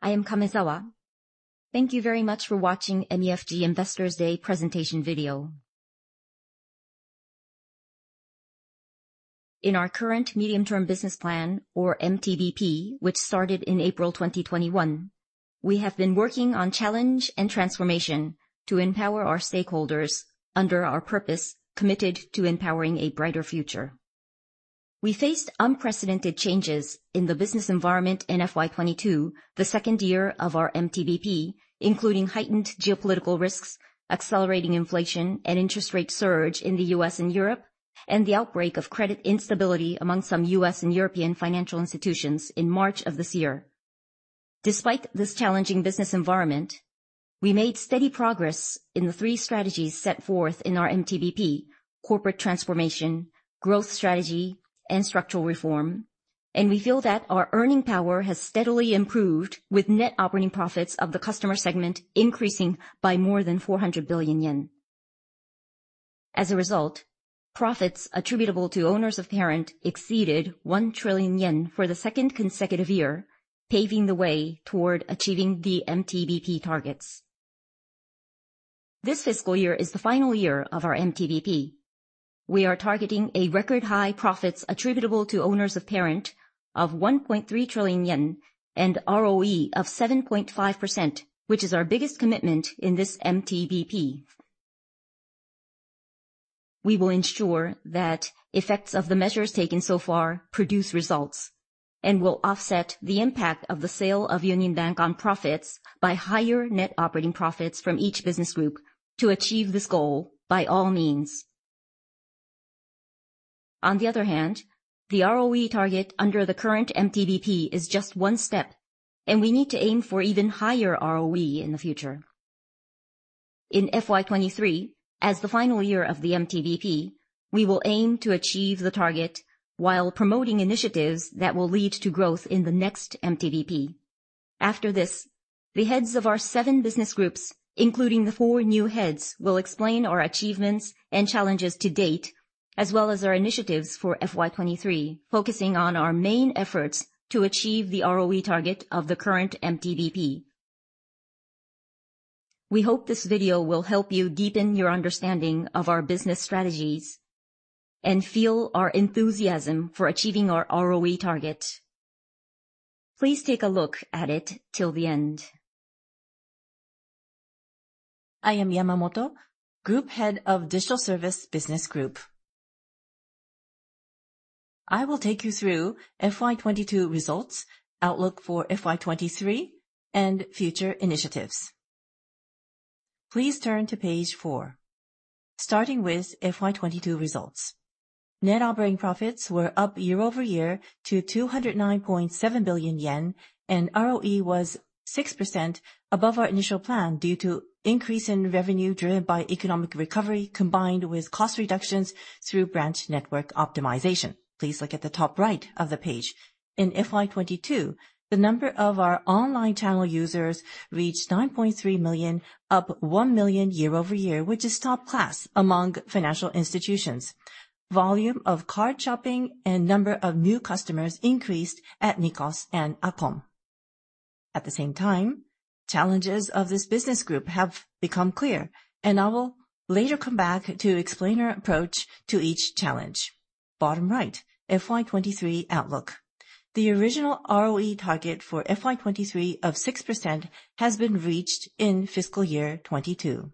I am Kamezawa. Thank you very much for watching MUFG Investors Day presentation video. In our current medium-term business plan, or MTBP, which started in April 2021, we have been working on challenge and transformation to empower our stakeholders under our purpose, "Committed to empowering a brighter future." We faced unprecedented changes in the business environment in FY 2022, the second year of our MTBP, including heightened geopolitical risks, accelerating inflation, and interest rate surge in the U.S. and Europe, and the outbreak of credit instability among some U.S. and European financial institutions in March of this year. Despite this challenging business environment, we made steady progress in the three strategies set forth in our MTBP: corporate transformation, growth strategy, and structural reform. We feel that our earning power has steadily improved, with net operating profits of the customer segment increasing by more than 400 billion yen. As a result, profits attributable to owners of parent exceeded 1 trillion yen for the second consecutive year, paving the way toward achieving the MTBP targets. This fiscal year is the final year of our MTBP. We are targeting a record-high profits attributable to owners of parent of 1.3 trillion yen and ROE of 7.5%, which is our biggest commitment in this MTBP. We will ensure that effects of the measures taken so far produce results, and will offset the impact of the sale of Union Bank on profits by higher net operating profits from each business group to achieve this goal by all means. On the other hand, the ROE target under the current MTBP is just one step, and we need to aim for even higher ROE in the future. In FY 2023, as the final year of the MTBP, we will aim to achieve the target while promoting initiatives that will lead to growth in the next MTBP. After this, the heads of our seven business groups, including the four new heads, will explain our achievements and challenges to date, as well as our initiatives for FY 2023, focusing on our main efforts to achieve the ROE target of the current MTBP. We hope this video will help you deepen your understanding of our business strategies and feel our enthusiasm for achieving our ROE target. Please take a look at it till the end. I am Yamamoto, group head of Digital Service Business Group. I will take you through FY 2022 results, outlook for FY 2023, and future initiatives. Please turn to page 4. Starting with FY 2022 results. Net operating profits were up year-over-year to 209.7 billion yen, and ROE was 6% above our initial plan due to increase in revenue driven by economic recovery, combined with cost reductions through branch network optimization. Please look at the top right of the page. In FY 2022, the number of our online channel users reached 9.3 million, up 1 million year-over-year, which is top class among financial institutions. Volume of card shopping and number of new customers increased at NICOS and ACOM. At the same time, challenges of this business group have become clear, and I will later come back to explain our approach to each challenge. Bottom right, FY 2023 outlook. The original ROE target for FY 2023 of 6% has been reached in fiscal year 2022.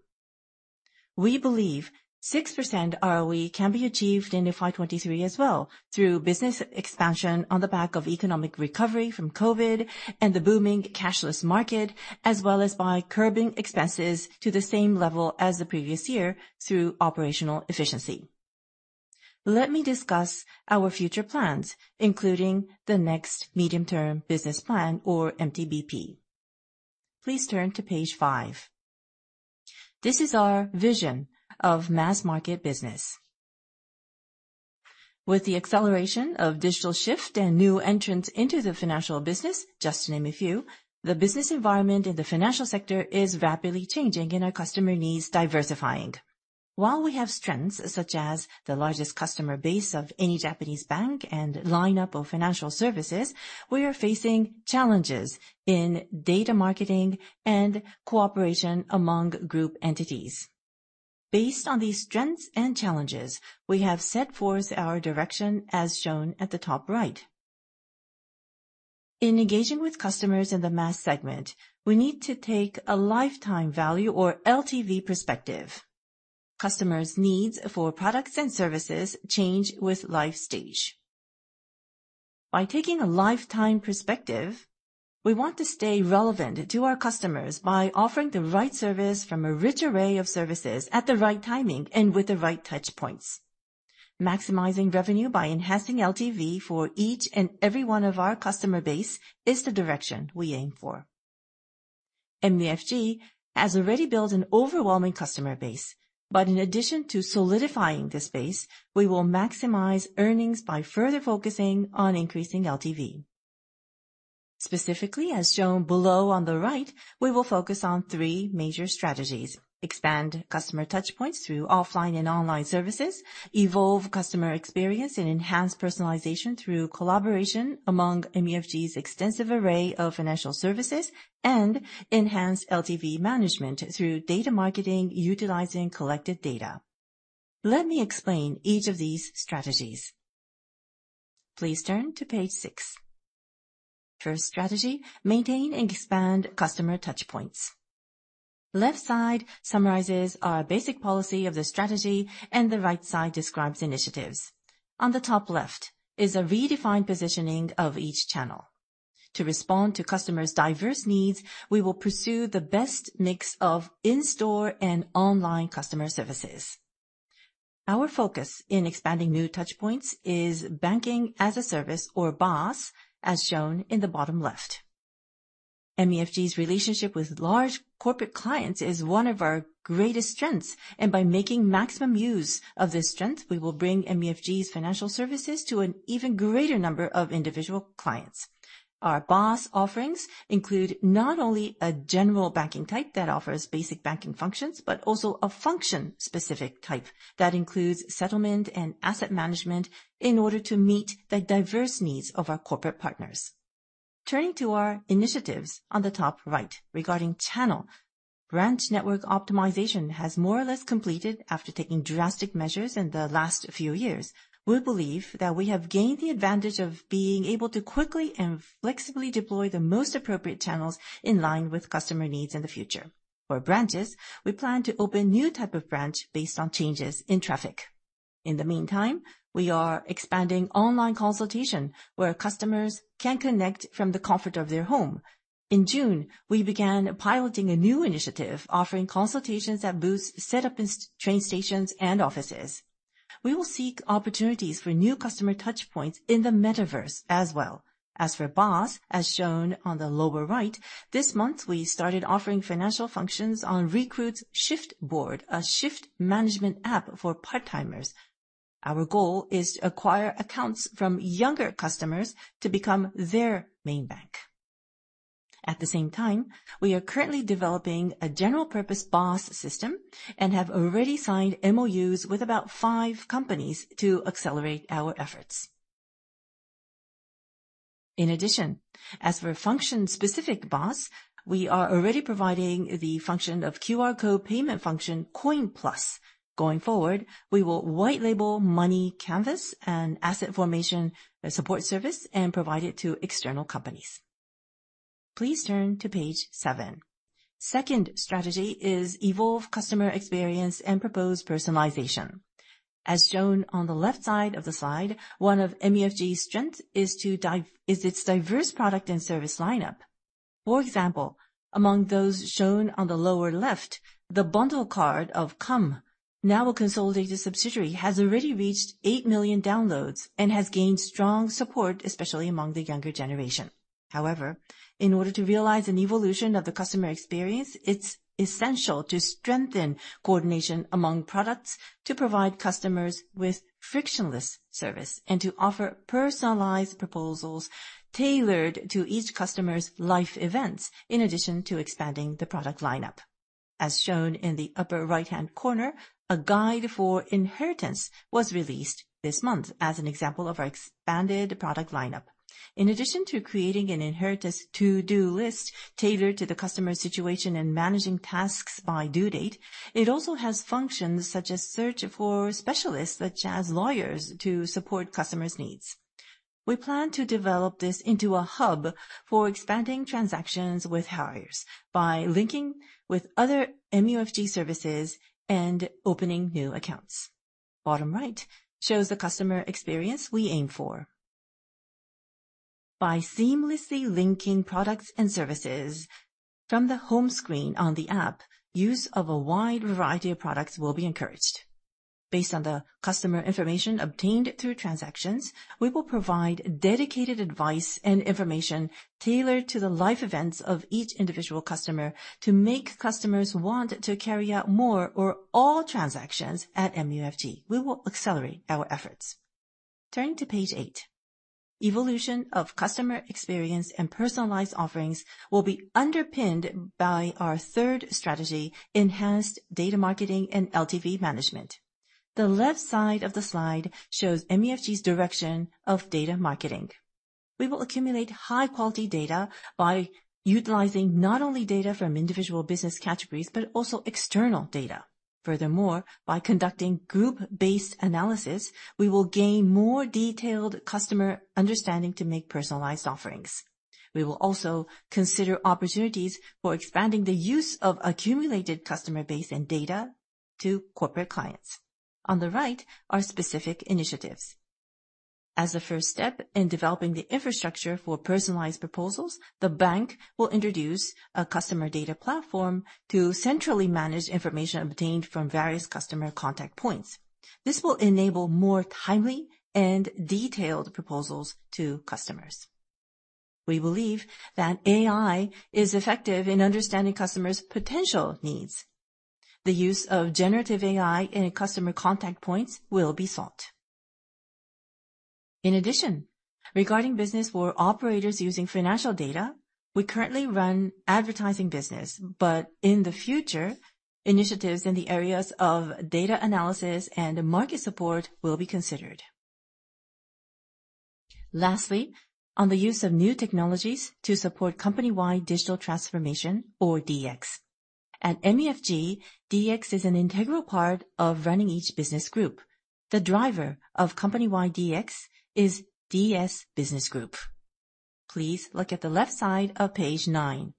We believe 6% ROE can be achieved in FY 2023 as well through business expansion on the back of economic recovery from COVID and the booming cashless market, as well as by curbing expenses to the same level as the previous year through operational efficiency. Let me discuss our future plans, including the next medium-term business plan or MTBP. Please turn to page 5. This is our vision of mass-market business. With the acceleration of digital shift and new entrants into the financial business, just to name a few, the business environment in the financial sector is rapidly changing and our customer needs diversifying. While we have strengths, such as the largest customer base of any Japanese bank and lineup of financial services, we are facing challenges in data marketing and cooperation among group entities. Based on these strengths and challenges, we have set forth our direction, as shown at the top right. In engaging with customers in the mass segment, we need to take a lifetime value or LTV perspective. Customers' needs for products and services change with life stage. By taking a lifetime perspective, we want to stay relevant to our customers by offering the right service from a rich array of services at the right timing and with the right touch points. Maximizing revenue by enhancing LTV for each and every one of our customer base is the direction we aim for. MUFG has already built an overwhelming customer base. In addition to solidifying this base, we will maximize earnings by further focusing on increasing LTV. Specifically, as shown below on the right, we will focus on three major strategies: expand customer touchpoints through offline and online services, evolve customer experience, and enhance personalization through collaboration among MUFG's extensive array of financial services, and enhance LTV management through data marketing utilizing collected data. Let me explain each of these strategies. Please turn to page 6. First strategy: maintain and expand customer touchpoints. Left side summarizes our basic policy of the strategy, and the right side describes initiatives. On the top left is a redefined positioning of each channel. To respond to customers' diverse needs, we will pursue the best mix of in-store and online customer services. Our focus in expanding new touchpoints is Banking-as-a-Service, or BaaS, as shown in the bottom left. MUFG's relationship with large corporate clients is one of our greatest strengths, and by making maximum use of this strength, we will bring MUFG's financial services to an even greater number of individual clients. Our BaaS offerings include not only a general banking type that offers basic banking functions, but also a function-specific type that includes settlement and asset management in order to meet the diverse needs of our corporate partners. Turning to our initiatives on the top right regarding channel, branch network optimization has more or less completed after taking drastic measures in the last few years. We believe that we have gained the advantage of being able to quickly and flexibly deploy the most appropriate channels in line with customer needs in the future. For branches, we plan to open new type of branch based on changes in traffic. In the meantime, we are expanding online consultation, where customers can connect from the comfort of their home. In June, we began piloting a new initiative, offering consultations at booths set up in train stations and offices. We will seek opportunities for new customer touchpoints in the Metaverse as well. As for BaaS, as shown on the lower right, this month, we started offering financial functions on Recruit's Shift Board, a shift management app for part-timers. Our goal is to acquire accounts from younger customers to become their main bank. At the same time, we are currently developing a general purpose BaaS system and have already signed MOUs with about five companies to accelerate our efforts. As for function-specific BaaS, we are already providing the function of QR code payment function, COIN+. Going forward, we will white label Money Canvas and asset formation and support service and provide it to external companies. Please turn to page 7. Second strategy is evolve customer experience and propose personalization. As shown on the left side of the slide, one of MUFG's strength is its diverse product and service lineup. For example, among those shown on the lower left, the bundle card of ACOM, now a consolidated subsidiary, has already reached 8 million downloads and has gained strong support, especially among the younger generation. In order to realize an evolution of the customer experience, it's essential to strengthen coordination among products to provide customers with frictionless service, and to offer personalized proposals tailored to each customer's life events, in addition to expanding the product lineup. As shown in the upper right-hand corner, a guide for inheritance was released this month as an example of our expanded product lineup. In addition to creating an inheritance to-do list tailored to the customer's situation and managing tasks by due date, it also has functions such as search for specialists, such as lawyers, to support customers' needs. We plan to develop this into a hub for expanding transactions with heirs by linking with other MUFG services and opening new accounts. Bottom right shows the customer experience we aim for. By seamlessly linking products and services from the home screen on the app, use of a wide variety of products will be encouraged. Based on the customer information obtained through transactions, we will provide dedicated advice and information tailored to the life events of each individual customer to make customers want to carry out more or all transactions at MUFG. We will accelerate our efforts. Turning to page 8, evolution of customer experience and personalized offerings will be underpinned by our third strategy, enhanced data marketing and LTV management. The left side of the slide shows MUFG's direction of data marketing. We will accumulate high-quality data by utilizing not only data from individual business categories, but also external data. By conducting group-based analysis, we will gain more detailed customer understanding to make personalized offerings. We will also consider opportunities for expanding the use of accumulated customer base and data to corporate clients. On the right are specific initiatives. As a first step in developing the infrastructure for personalized proposals, the bank will introduce a customer data platform to centrally manage information obtained from various customer contact points. This will enable more timely and detailed proposals to customers. We believe that AI is effective in understanding customers' potential needs. The use of generative AI in customer contact points will be sought. Regarding business for operators using financial data, we currently run advertising business, but in the future, initiatives in the areas of data analysis and market support will be considered. Lastly, on the use of new technologies to support company-wide digital transformation, or DX. At MUFG, DX is an integral part of running each business group. The driver of company-wide DX is DS Business Group. Please look at the left side of page 9.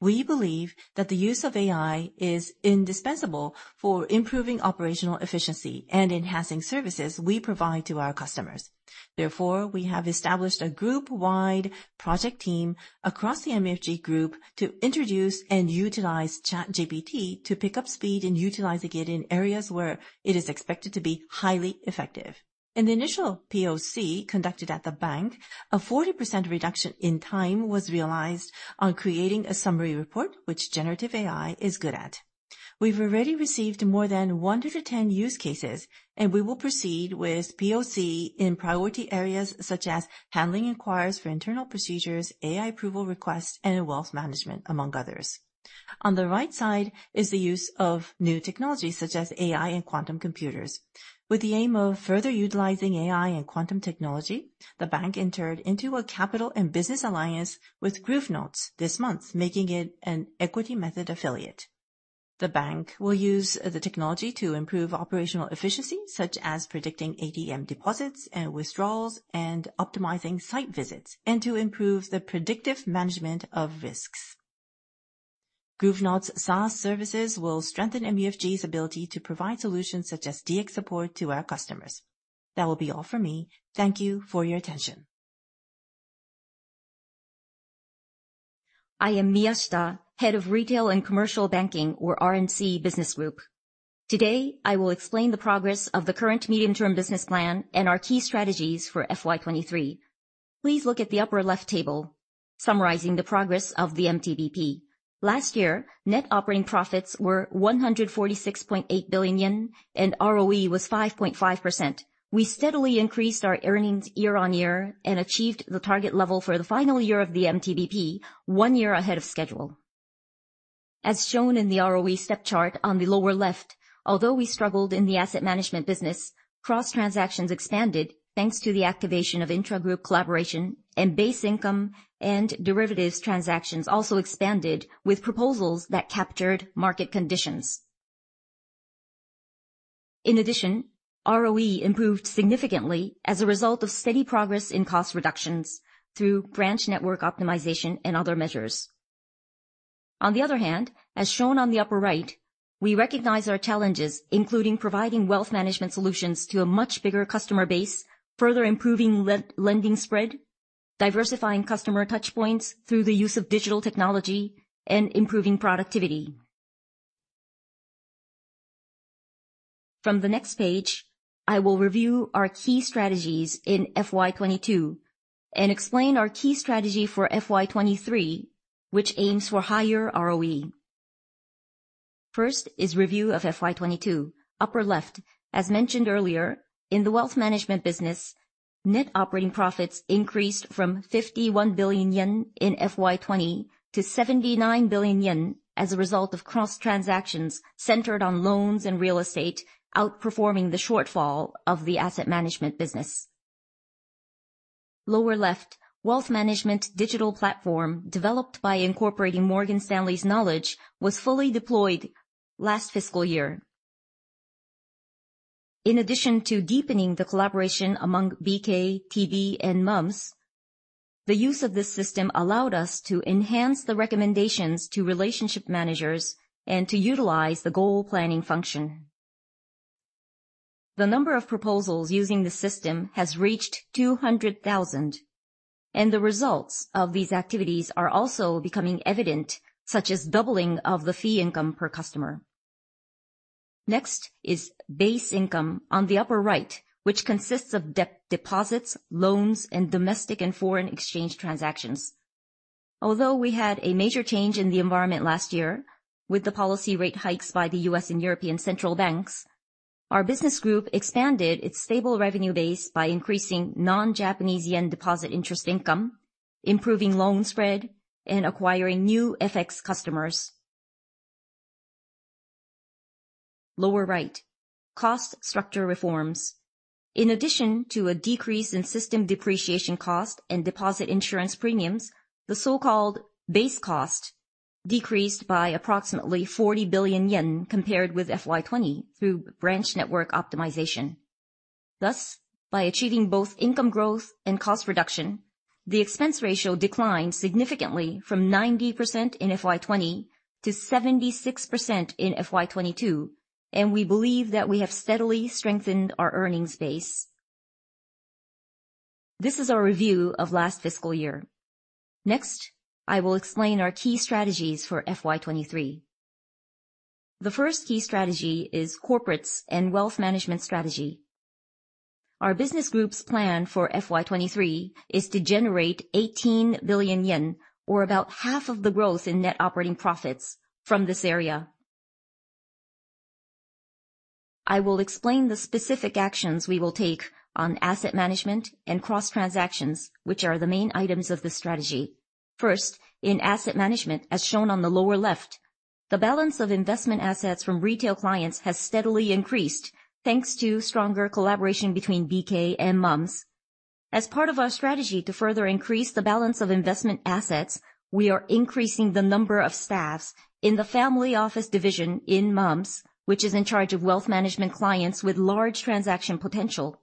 We believe that the use of AI is indispensable for improving operational efficiency and enhancing services we provide to our customers. Therefore, we have established a group-wide project team across the MUFG Group to introduce and utilize ChatGPT to pick up speed and utilize it again in areas where it is expected to be highly effective. In the initial POC conducted at the bank, a 40% reduction in time was realized on creating a summary report, which generative AI is good at. We've already received more than 100 use cases. We will proceed with POC in priority areas such as handling inquiries for internal procedures, AI approval requests, and wealth management, among others. On the right side is the use of new technologies, such as AI and quantum computers. With the aim of further utilizing AI and quantum technology, the bank entered into a capital and business alliance with Groovenauts this month, making it an equity method affiliate. The bank will use the technology to improve operational efficiency, such as predicting ATM deposits and withdrawals, and optimizing site visits, and to improve the predictive management of risks. Groovenauts SaaS services will strengthen MUFG's ability to provide solutions such as DX support to our customers. That will be all for me. Thank you for your attention. I am Miyashita, Head of Retail and Commercial Banking, or R&C, Business Group. Today, I will explain the progress of the current medium-term business plan and our key strategies for FY 2023. Please look at the upper left table summarizing the progress of the MTBP. Last year, net operating profits were 146.8 billion yen, and ROE was 5.5%. We steadily increased our earnings year-on-year and achieved the target level for the final year of the MTBP, one year ahead of schedule. As shown in the ROE step chart on the lower left, although we struggled in the asset management business, cross-transactions expanded, thanks to the activation of intragroup collaboration, and base income and derivatives transactions also expanded with proposals that captured market conditions. In addition, ROE improved significantly as a result of steady progress in cost reductions through branch network optimization and other measures. On the other hand, as shown on the upper right, we recognize our challenges, including providing wealth management solutions to a much bigger customer base, further improving lending spread, diversifying customer touchpoints through the use of digital technology, and improving productivity. From the next page, I will review our key strategies in FY 2022 and explain our key strategy for FY 2023, which aims for higher ROE. First is review of FY 2022. Upper left, as mentioned earlier, in the wealth management business, net operating profits increased from 51 billion yen in FY 2020 to 79 billion yen as a result of cross-transactions centered on loans and real estate, outperforming the shortfall of the Asset Management Business. Lower left, wealth management digital platform, developed by incorporating Morgan Stanley's knowledge, was fully deployed last fiscal year. In addition to deepening the collaboration among BK, TB, and MUMSS, the use of this system allowed us to enhance the recommendations to Relationship Managers and to utilize the goal planning function. The number of proposals using the system has reached 200,000, and the results of these activities are also becoming evident, such as doubling of the fee income per customer. Next is base income on the upper right, which consists of deposits, loans, and domestic and foreign exchange transactions. Although we had a major change in the environment last year with the policy rate hikes by the U.S. and European central banks, our business group expanded its stable revenue base by increasing non-Japanese yen deposit interest income, improving loan spread, and acquiring new FX customers. Lower right, cost structure reforms. In addition to a decrease in system depreciation cost and deposit insurance premiums, the so-called base cost decreased by approximately 40 billion yen compared with FY 2020 through branch network optimization. By achieving both income growth and cost reduction, the expense ratio declined significantly from 90% in FY 2020 to 76% in FY 2022, and we believe that we have steadily strengthened our earnings base. This is our review of last fiscal year. I will explain our key strategies for FY 2023. The first key strategy is corporates and wealth management strategy. Our business group's plan for FY 2023 is to generate 18 billion yen, or about half of the growth in net operating profits from this area. I will explain the specific actions we will take on asset management and cross-transactions, which are the main items of the strategy. First, in asset management, as shown on the lower left, the balance of investment assets from retail clients has steadily increased, thanks to stronger collaboration between BK and MUMSS. As part of our strategy to further increase the balance of investment assets, we are increasing the number of staffs in the family office division in MUMSS, which is in charge of wealth management clients with large transaction potential,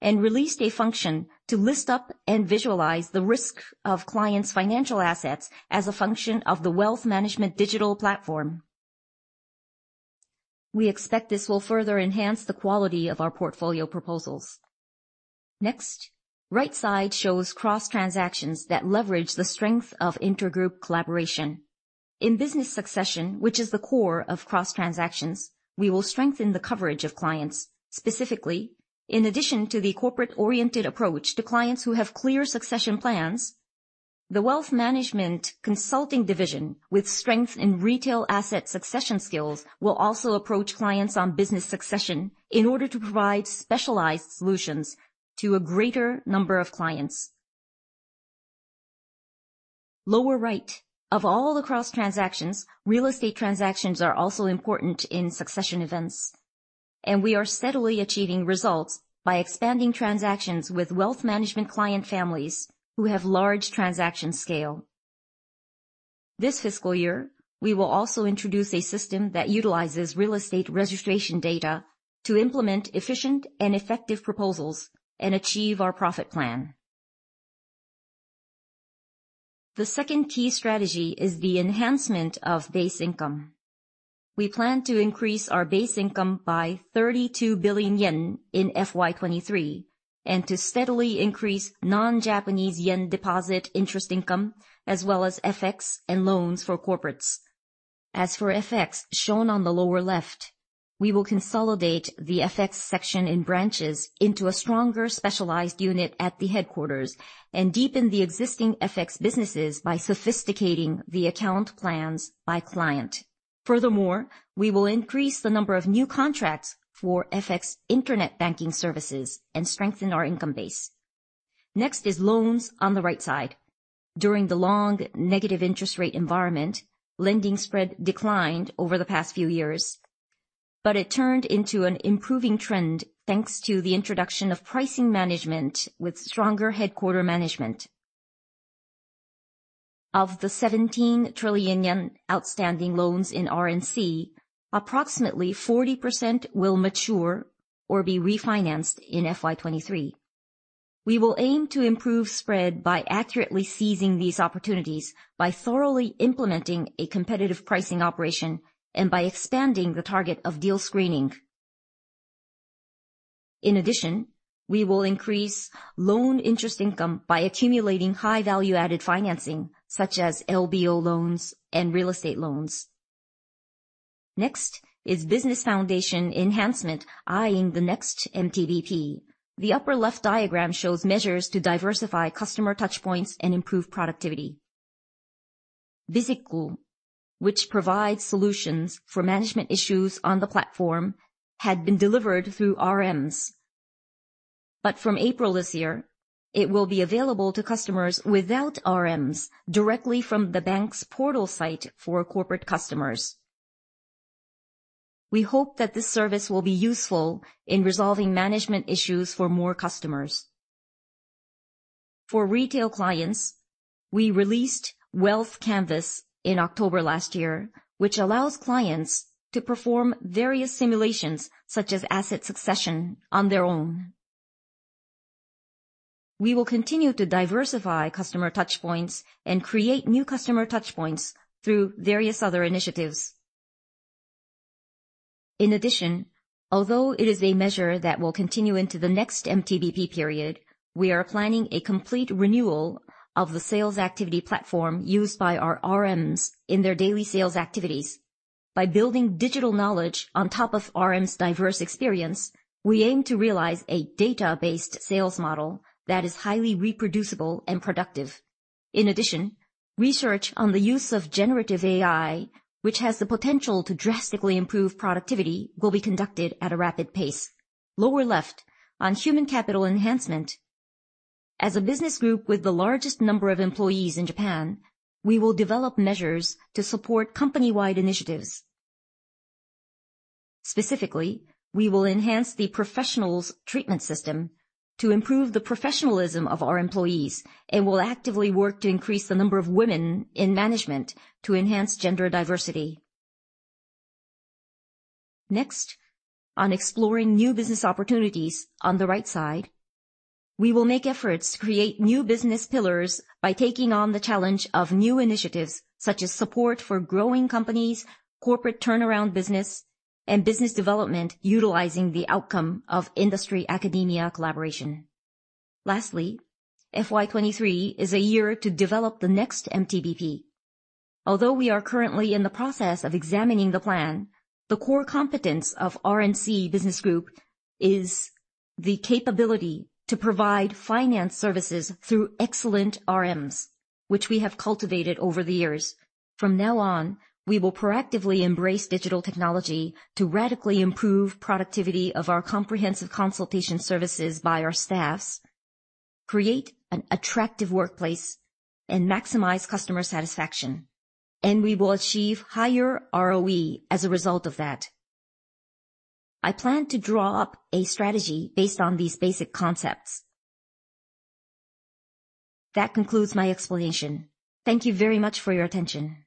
and released a function to list up and visualize the risk of clients' financial assets as a function of the wealth management digital platform. We expect this will further enhance the quality of our portfolio proposals. Next, right side shows cross-transactions that leverage the strength of intergroup collaboration. In business succession, which is the core of cross-transactions, we will strengthen the coverage of clients. Specifically, in addition to the corporate-oriented approach to clients who have clear succession plans, the Wealth Management Consulting Division, with strength in retail asset succession skills, will also approach clients on business succession in order to provide specialized solutions to a greater number of clients. Lower right. Of all the cross-transactions, real estate transactions are also important in succession events, and we are steadily achieving results by expanding transactions with wealth management client families who have large transaction scale. This fiscal year, we will also introduce a system that utilizes real estate registration data to implement efficient and effective proposals and achieve our profit plan. The second key strategy is the enhancement of base income. We plan to increase our base income by 32 billion yen in FY 2023, and to steadily increase non-Japanese yen deposit interest income, as well as FX and loans for corporates. As for FX, shown on the lower left, we will consolidate the FX section in branches into a stronger specialized unit at the headquarters and deepen the existing FX businesses by sophisticating the account plans by client. Furthermore, we will increase the number of new contracts for FX internet banking services and strengthen our income base. Next is loans on the right side. During the long negative interest rate environment, lending spread declined over the past few years, but it turned into an improving trend, thanks to the introduction of pricing management with stronger headquarter management. Of the 17 trillion yen outstanding loans in R&C, approximately 40% will mature or be refinanced in FY 2023. We will aim to improve spread by accurately seizing these opportunities, by thoroughly implementing a competitive pricing operation, and by expanding the target of deal screening. We will increase loan interest income by accumulating high-value-added financing, such as LBO loans and real estate loans. Next is business foundation enhancement, eyeing the next MTBP. The upper left diagram shows measures to diversify customer touchpoints and improve productivity. Biz-Create, which provides solutions for management issues on the platform, had been delivered through RMs. From April this year, it will be available to customers without RMs directly from the bank's portal site for corporate customers. We hope that this service will be useful in resolving management issues for more customers. For retail clients, we released Wealth Canvas in October last year, which allows clients to perform various simulations, such as asset succession, on their own. We will continue to diversify customer touchpoints and create new customer touchpoints through various other initiatives. Although it is a measure that will continue into the next MTBP period, we are planning a complete renewal of the sales activity platform used by our RMs in their daily sales activities. By building digital knowledge on top of RMs' diverse experience, we aim to realize a data-based sales model that is highly reproducible and productive. Research on the use of generative AI, which has the potential to drastically improve productivity, will be conducted at a rapid pace. Lower left, on human capital enhancement. As a business group with the largest number of employees in Japan, we will develop measures to support company-wide initiatives. Specifically, we will enhance the professionals treatment system to improve the professionalism of our employees and will actively work to increase the number of women in management to enhance gender diversity. Next, on exploring new business opportunities on the right side, we will make efforts to create new business pillars by taking on the challenge of new initiatives, such as support for growing companies, corporate turnaround business, and business development, utilizing the outcome of industry-academia collaboration. Lastly, FY 2023 is a year to develop the next MTBP. Although we are currently in the process of examining the plan, the core competence of R&C Business Group is. The capability to provide finance services through excellent RMs, which we have cultivated over the years. From now on, we will proactively embrace digital technology to radically improve productivity of our comprehensive consultation services by our staffs, create an attractive workplace, and maximize customer satisfaction. We will achieve higher ROE as a result of that. I plan to draw up a strategy based on these basic concepts. That concludes my explanation. Thank you very much for your attention.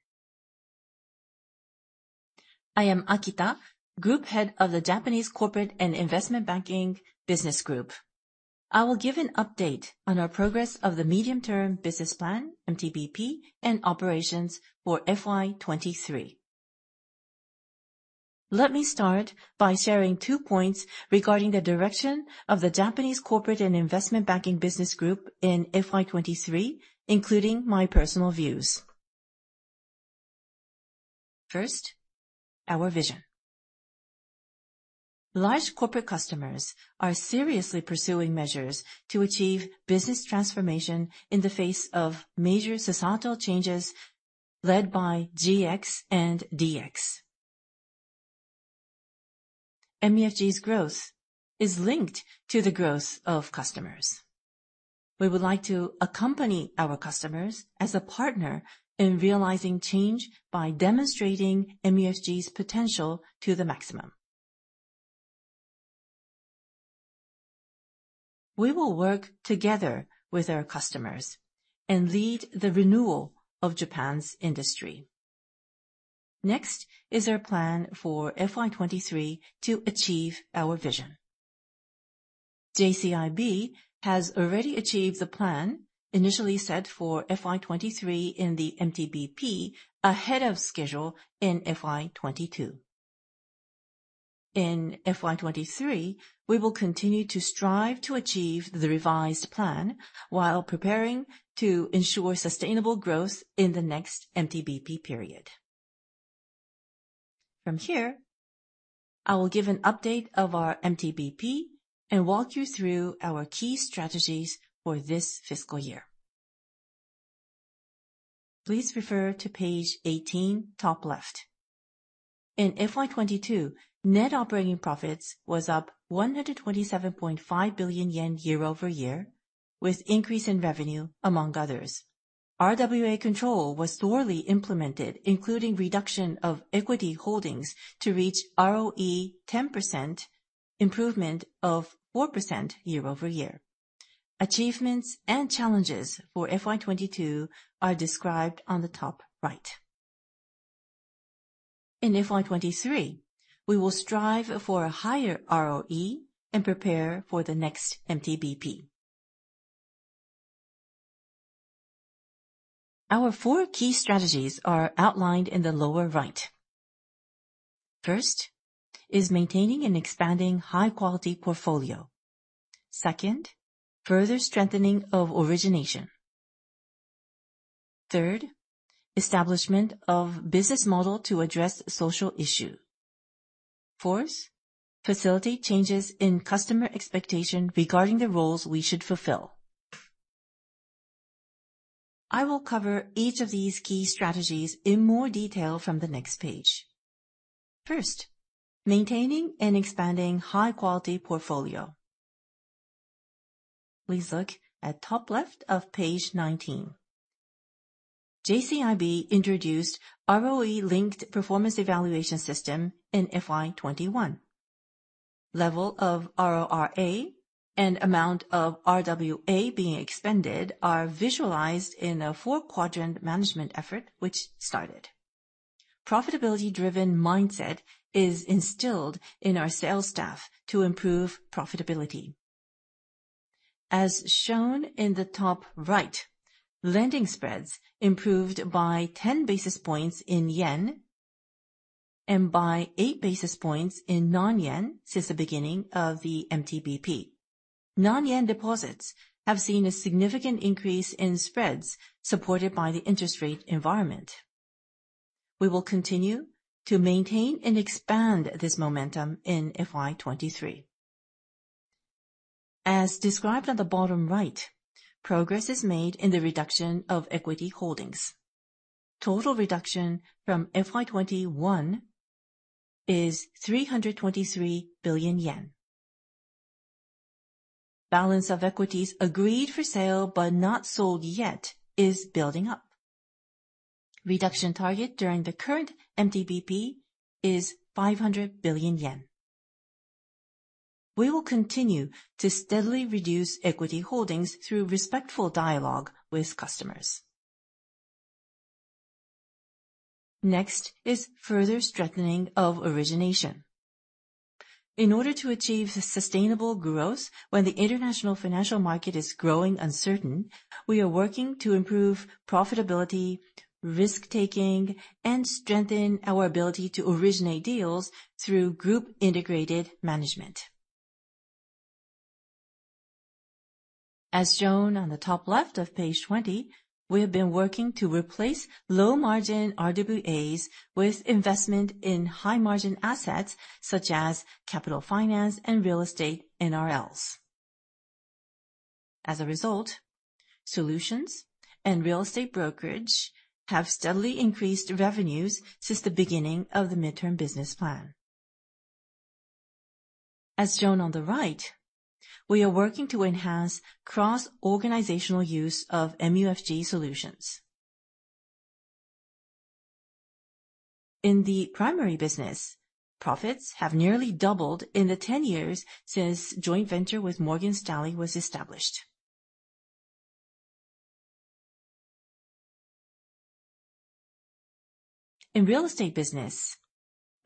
I am Akita, Group Head of the Japanese Corporate and Investment Banking Business Group. I will give an update on our progress of the medium-term business plan, MTBP, and operations for FY 2023. Let me start by sharing two points regarding the direction of the Japanese Corporate and Investment Banking Business Group in FY 2023, including my personal views. First, our vision. Large corporate customers are seriously pursuing measures to achieve business transformation in the face of major societal changes led by GX and DX. MUFG's growth is linked to the growth of customers. We would like to accompany our customers as a partner in realizing change by demonstrating MUFG's potential to the maximum. We will work together with our customers and lead the renewal of Japan's industry. Next is our plan for FY 2023 to achieve our vision. JCIB has already achieved the plan initially set for FY 2023 in the MTBP ahead of schedule in FY 2022. In FY 2023, we will continue to strive to achieve the revised plan while preparing to ensure sustainable growth in the next MTBP period. From here, I will give an update of our MTBP and walk you through our key strategies for this fiscal year. Please refer to page 18, top left. In FY 2022, net operating profits was up 127.5 billion yen year-over-year, with increase in revenue, among others. RWA control was thoroughly implemented, including reduction of equity holdings to reach ROE 10%, improvement of 4% year-over-year. Achievements and challenges for FY 2022 are described on the top right. In FY 2023, we will strive for a higher ROE and prepare for the next MTBP. Our four key strategies are outlined in the lower right. First is maintaining and expanding high-quality portfolio. Second, further strengthening of origination. Third, establishment of business model to address social issue. Fourth, facilitate changes in customer expectation regarding the roles we should fulfill. I will cover each of these key strategies in more detail from the next page. First, maintaining and expanding high-quality portfolio. Please look at top left of page 19. JCIB introduced ROE-linked performance evaluation system in FY 2021. Level of RORA and amount of RWA being expended are visualized in a four-quadrant management effort, which started. Profitability-driven mindset is instilled in our sales staff to improve profitability. As shown in the top right, lending spreads improved by 10 basis points in JPY and by 8 basis points in non-JPY since the beginning of the MTBP. Non-JPY deposits have seen a significant increase in spreads supported by the interest rate environment. We will continue to maintain and expand this momentum in FY 2023. As described on the bottom right, progress is made in the reduction of equity holdings. Total reduction from FY 2021 is JPY 323 billion. Balance of equities agreed for sale but not sold yet is building up. Reduction target during the current MTBP is 500 billion yen. We will continue to steadily reduce equity holdings through respectful dialogue with customers. Next is further strengthening of origination. In order to achieve sustainable growth when the international financial market is growing uncertain, we are working to improve profitability, risk-taking, and strengthen our ability to originate deals through group-integrated management....As shown on the top left of page 20, we have been working to replace low-margin RWAs with investment in high-margin assets, such as capital finance and real estate NRLs. As a result, solutions and real estate brokerage have steadily increased revenues since the beginning of the midterm business plan. As shown on the right, we are working to enhance cross-organizational use of MUFG solutions. In the primary business, profits have nearly doubled in the 10 years since joint venture with Morgan Stanley was established. In real estate business,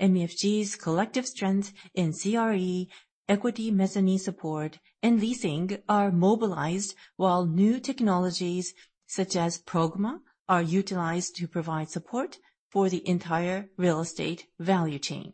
MUFG's collective strength in CRE, equity mezzanine support, and leasing are mobilized, while new technologies, such as Progmat, are utilized to provide support for the entire real estate value chain.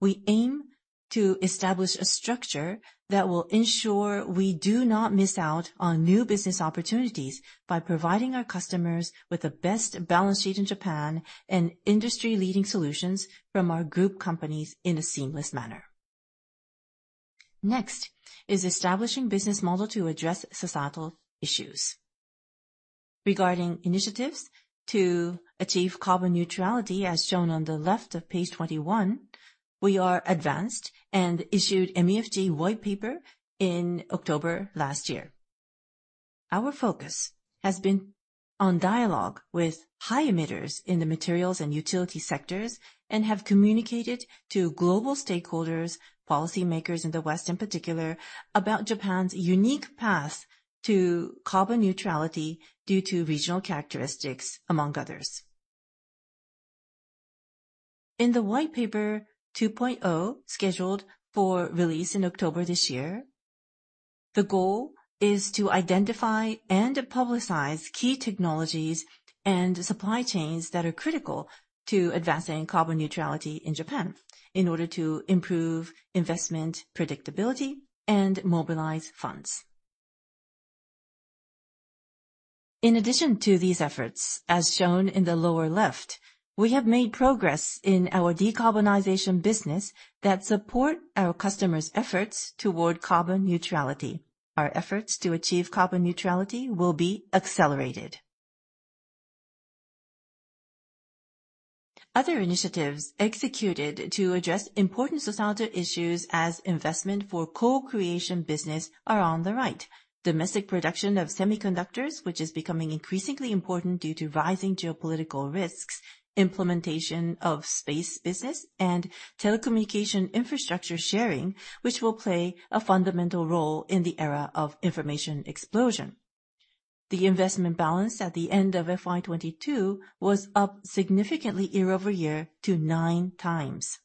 We aim to establish a structure that will ensure we do not miss out on new business opportunities by providing our customers with the best balance sheet in Japan and industry-leading solutions from our group companies in a seamless manner. Next is establishing business model to address societal issues. Regarding initiatives to achieve carbon neutrality, as shown on the left of page 21, we are advanced and issued MUFG White Paper in October last year. Our focus has been on dialogue with high emitters in the materials and utility sectors, and have communicated to global stakeholders, policymakers in the West in particular, about Japan's unique path to carbon neutrality due to regional characteristics, among others. In the White Paper 2.0, scheduled for release in October this year, the goal is to identify and publicize key technologies and supply chains that are critical to advancing carbon neutrality in Japan in order to improve investment predictability and mobilize funds. In addition to these efforts, as shown in the lower left, we have made progress in our decarbonization business that support our customers' efforts toward carbon neutrality. Our efforts to achieve carbon neutrality will be accelerated. Other initiatives executed to address important societal issues as investment for co-creation business are on the right. Domestic production of semiconductors, which is becoming increasingly important due to rising geopolitical risks, implementation of space business, and telecommunication infrastructure sharing, which will play a fundamental role in the era of information explosion. The investment balance at the end of FY 2022 was up significantly year-over-year to 9x.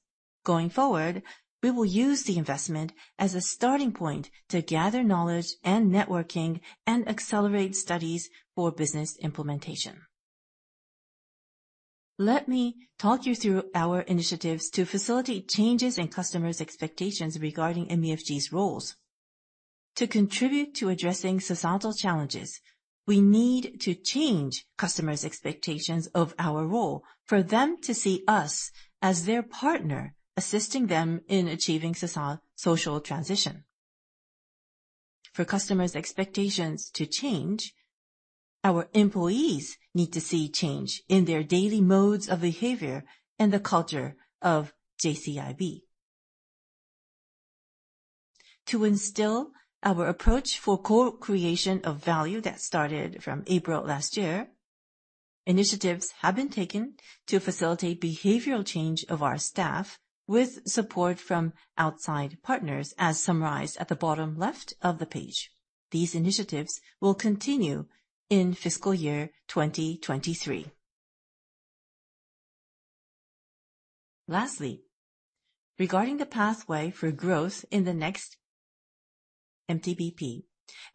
Going forward, we will use the investment as a starting point to gather knowledge and networking and accelerate studies for business implementation. Let me talk you through our initiatives to facilitate changes in customers' expectations regarding MUFG's roles. To contribute to addressing societal challenges, we need to change customers' expectations of our role, for them to see us as their partner, assisting them in achieving social transition. For customers' expectations to change, our employees need to see change in their daily modes of behavior and the culture of JCIB. To instill our approach for co-creation of value that started from April last year, initiatives have been taken to facilitate behavioral change of our staff with support from outside partners, as summarized at the bottom left of the page. These initiatives will continue in fiscal year 2023. Lastly, regarding the pathway for growth in the next MTBP,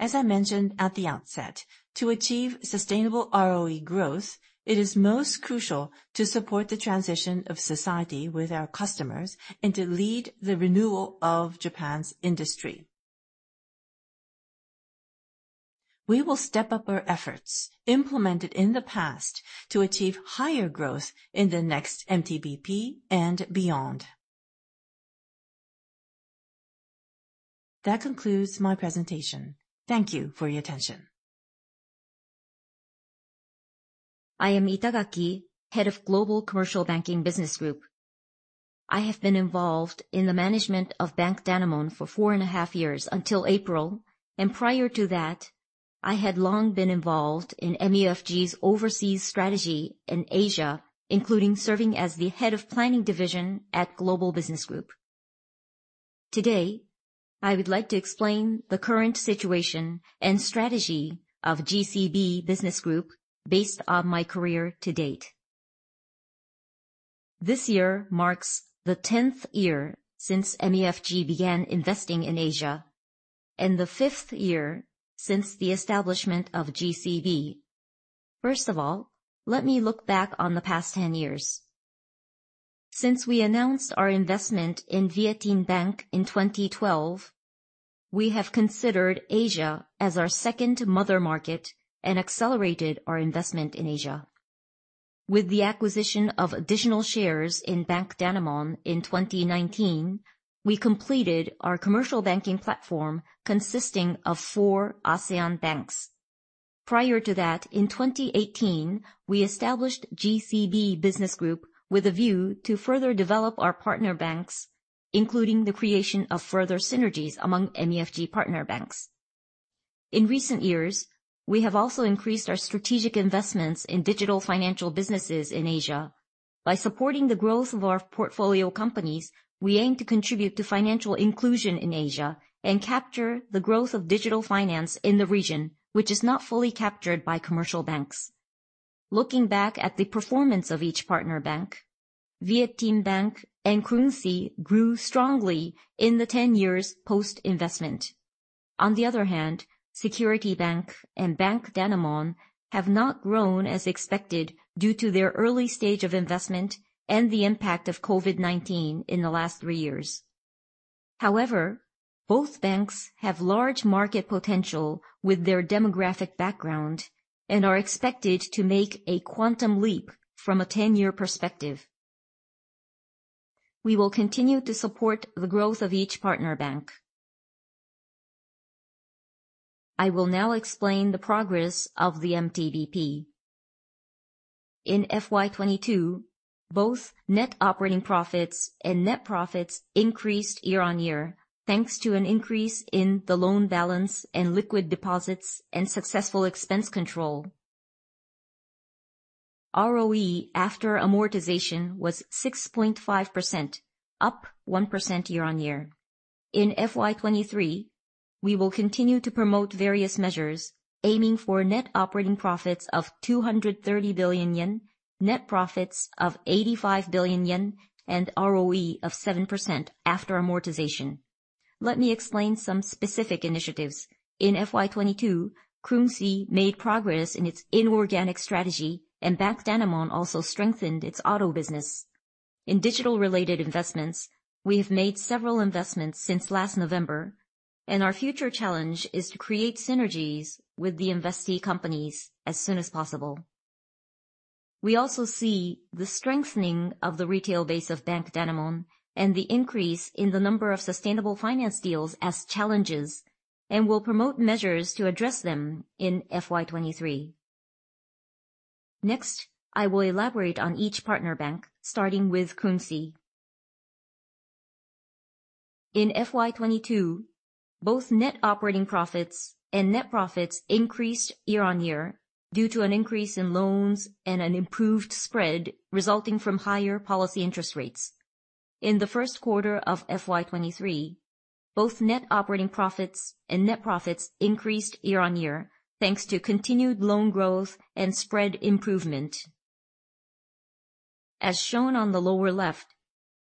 as I mentioned at the outset, to achieve sustainable ROE growth, it is most crucial to support the transition of society with our customers and to lead the renewal of Japan's industry. We will step up our efforts implemented in the past to achieve higher growth in the next MTBP and beyond. That concludes my presentation. Thank you for your attention. I am Itagaki, Head of Global Commercial Banking Business Group. I have been involved in the management of Bank Danamon for four and a half years until April, and prior to that, I had long been involved in MUFG's overseas strategy in Asia, including serving as the Head of Planning Division at Global Business Group. Today, I would like to explain the current situation and strategy of GCB Business Group based on my career to date. This year marks the 10th year since MUFG began investing in Asia and the 5th year since the establishment of GCB. First of all, let me look back on the past 10 years. Since we announced our investment in VietinBank in 2012, we have considered Asia as our second mother market and accelerated our investment in Asia. With the acquisition of additional shares in Bank Danamon in 2019, we completed our commercial banking platform consisting of four ASEAN banks. Prior to that, in 2018, we established GCB Business Group with a view to further develop our partner banks, including the creation of further synergies among MUFG partner banks. In recent years, we have also increased our strategic investments in digital financial businesses in Asia. By supporting the growth of our portfolio companies, we aim to contribute to financial inclusion in Asia and capture the growth of digital finance in the region, which is not fully captured by commercial banks. Looking back at the performance of each partner bank, VietinBank and Krungsri grew strongly in the 10 years post-investment. Security Bank and Bank Danamon have not grown as expected due to their early stage of investment and the impact of COVID-19 in the last three years. Both banks have large market potential with their demographic background and are expected to make a quantum leap from a 10-year perspective. We will continue to support the growth of each partner bank. I will now explain the progress of the MTBP. In FY 2022, both net operating profits and net profits increased year-on-year, thanks to an increase in the loan balance and liquid deposits and successful expense control. ROE after amortization was 6.5%, up 1% year-on-year. In FY 2023, we will continue to promote various measures, aiming for net operating profits of 230 billion yen, net profits of 85 billion yen, and ROE of 7% after amortization. Let me explain some specific initiatives. In FY 2022, Krungsri made progress in its inorganic strategy, and Bank Danamon also strengthened its auto business. In digital-related investments, we have made several investments since last November, and our future challenge is to create synergies with the investee companies as soon as possible. We also see the strengthening of the retail base of Bank Danamon and the increase in the number of sustainable finance deals as challenges, and will promote measures to address them in FY 2023. Next, I will elaborate on each partner bank, starting with Krungsri. In FY 2022, both net operating profits and net profits increased year-on-year due to an increase in loans and an improved spread resulting from higher policy interest rates. In the first quarter of FY 2023, both net operating profits and net profits increased year-on-year, thanks to continued loan growth and spread improvement. As shown on the lower left,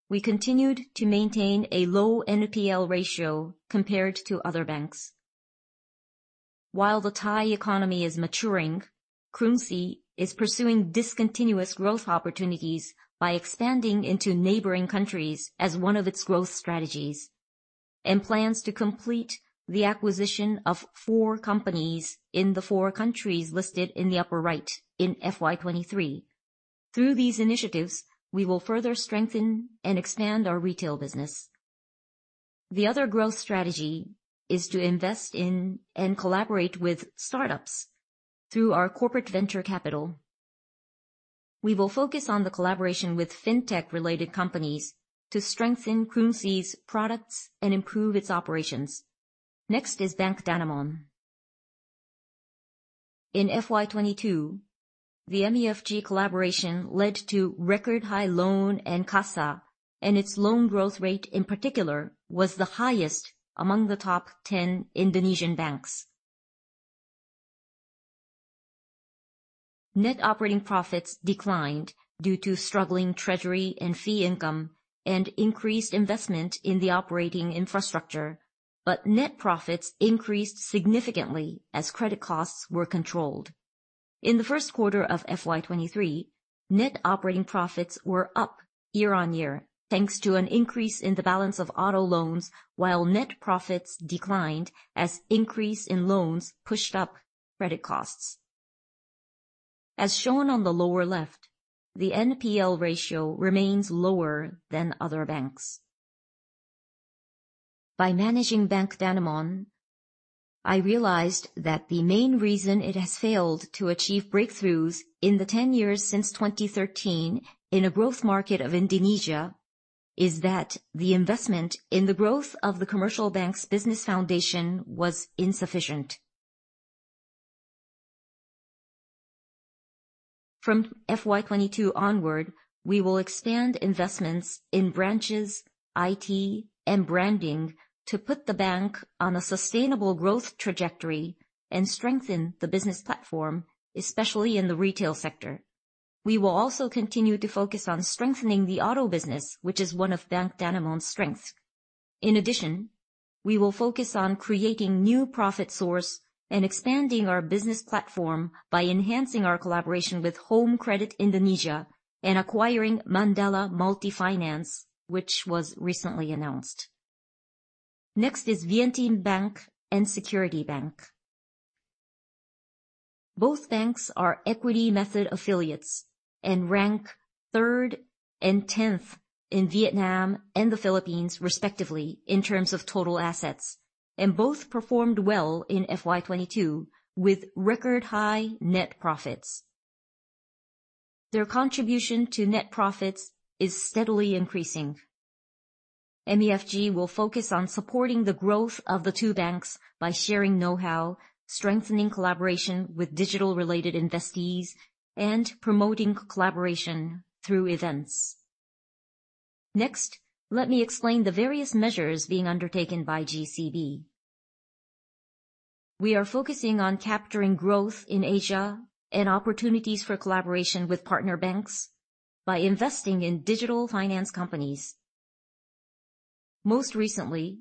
we continued to maintain a low NPL ratio compared to other banks. While the Thai economy is maturing, Krungsri is pursuing discontinuous growth opportunities by expanding into neighboring countries as one of its growth strategies, and plans to complete the acquisition of four companies in the four countries listed in the upper right in FY 2023. Through these initiatives, we will further strengthen and expand our retail business. The other growth strategy is to invest in and collaborate with start-ups through our corporate venture capital. We will focus on the collaboration with fintech-related companies to strengthen Krungsri's products and improve its operations. Next is Bank Danamon. In FY 2022, the MUFG collaboration led to record-high loan and CASA, and its loan growth rate, in particular, was the highest among the top 10 Indonesian banks. Net operating profits declined due to struggling treasury and fee income and increased investment in the operating infrastructure, but net profits increased significantly as credit costs were controlled. In the first quarter of FY 2023, net operating profits were up year-over-year, thanks to an increase in the balance of auto loans, while net profits declined as increase in loans pushed up credit costs. As shown on the lower left, the NPL ratio remains lower than other banks. By managing Bank Danamon, I realized that the main reason it has failed to achieve breakthroughs in the 10 years since 2013 in a growth market of Indonesia, is that the investment in the growth of the commercial bank's business foundation was insufficient. From FY 2022 onward, we will expand investments in branches, IT, and branding to put the bank on a sustainable growth trajectory and strengthen the business platform, especially in the retail sector. We will also continue to focus on strengthening the auto business, which is one of Bank Danamon's strengths. In addition, we will focus on creating new profit source and expanding our business platform by enhancing our collaboration with Home Credit Indonesia and acquiring Mandala Multifinance, which was recently announced. Next is VietinBank and Security Bank. Both banks are equity method affiliates and rank third and tenth in Vietnam and the Philippines, respectively, in terms of total assets, and both performed well in FY 2022, with record-high net profits. Their contribution to net profits is steadily increasing. MUFG will focus on supporting the growth of the two banks by sharing know-how, strengthening collaboration with digital-related investees, and promoting collaboration through events. Next, let me explain the various measures being undertaken by GCB. We are focusing on capturing growth in Asia and opportunities for collaboration with partner banks by investing in digital finance companies. Most recently,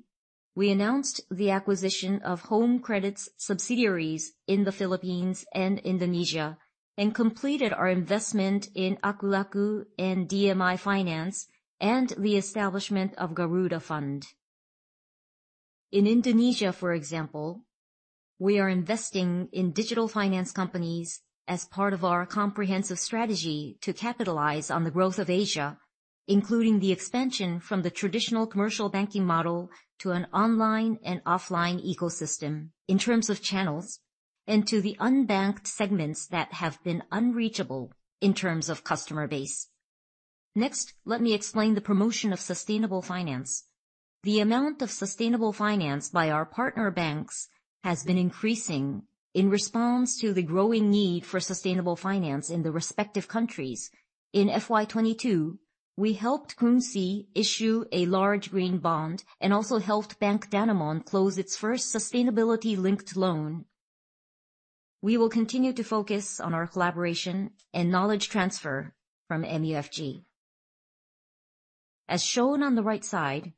we announced the acquisition of Home Credit's subsidiaries in the Philippines and Indonesia, and completed our investment in Akulaku and DMI Finance, and the establishment of Garuda Fund. In Indonesia, for example, we are investing in digital finance companies as part of our comprehensive strategy to capitalize on the growth of Asia, including the expansion from the traditional commercial banking model to an online and offline ecosystem in terms of channels and to the unbanked segments that have been unreachable in terms of customer base. Let me explain the promotion of sustainable finance. The amount of sustainable finance by our partner banks has been increasing in response to the growing need for sustainable finance in the respective countries. In FY 2022, we helped Krungsri issue a large green bond and also helped Bank Danamon close its first sustainability-linked loan. We will continue to focus on our collaboration and knowledge transfer from MUFG. As shown on the right side,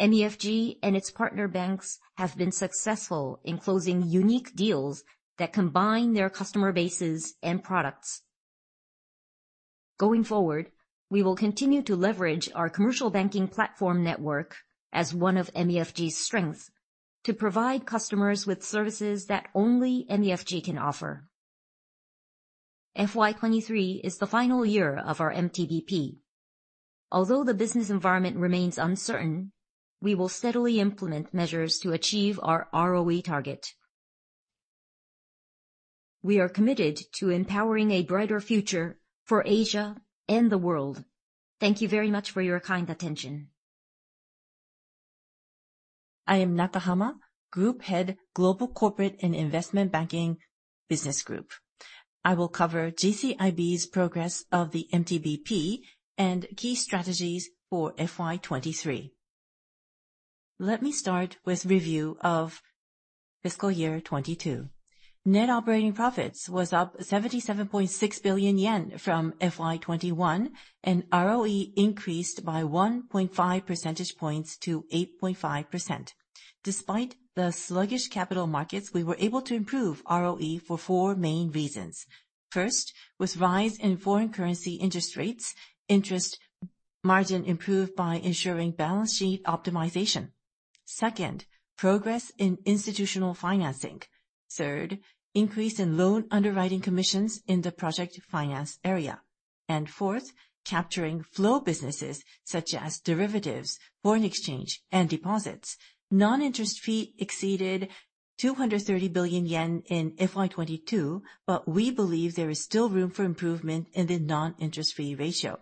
MUFG and its partner banks have been successful in closing unique deals that combine their customer bases and products. Going forward, we will continue to leverage our commercial banking platform network as one of MUFG's strengths to provide customers with services that only MUFG can offer. FY 2023 is the final year of our MTBP. Although the business environment remains uncertain, we will steadily implement measures to achieve our ROE target. We are committed to empowering a brighter future for Asia and the world. Thank you very much for your kind attention. I am Nakahama, Group Head, Global Corporate & Investment Banking Business Group. I will cover GCIB's progress of the MTBP and key strategies for FY 2023. Let me start with review of fiscal year 2022. Net operating profits was up 77.6 billion yen from FY 2021. ROE increased by 1.5 percentage points to 8.5%. Despite the sluggish capital markets, we were able to improve ROE for four main reasons. First, was rise in foreign currency interest rates, interest margin improved by ensuring balance sheet optimization. Second, progress in institutional financing. Third, increase in loan underwriting commissions in the project finance area. Fourth, capturing flow businesses such as derivatives, foreign exchange, and deposits. Non-interest fee exceeded 230 billion yen in FY 2022. We believe there is still room for improvement in the non-interest fee ratio.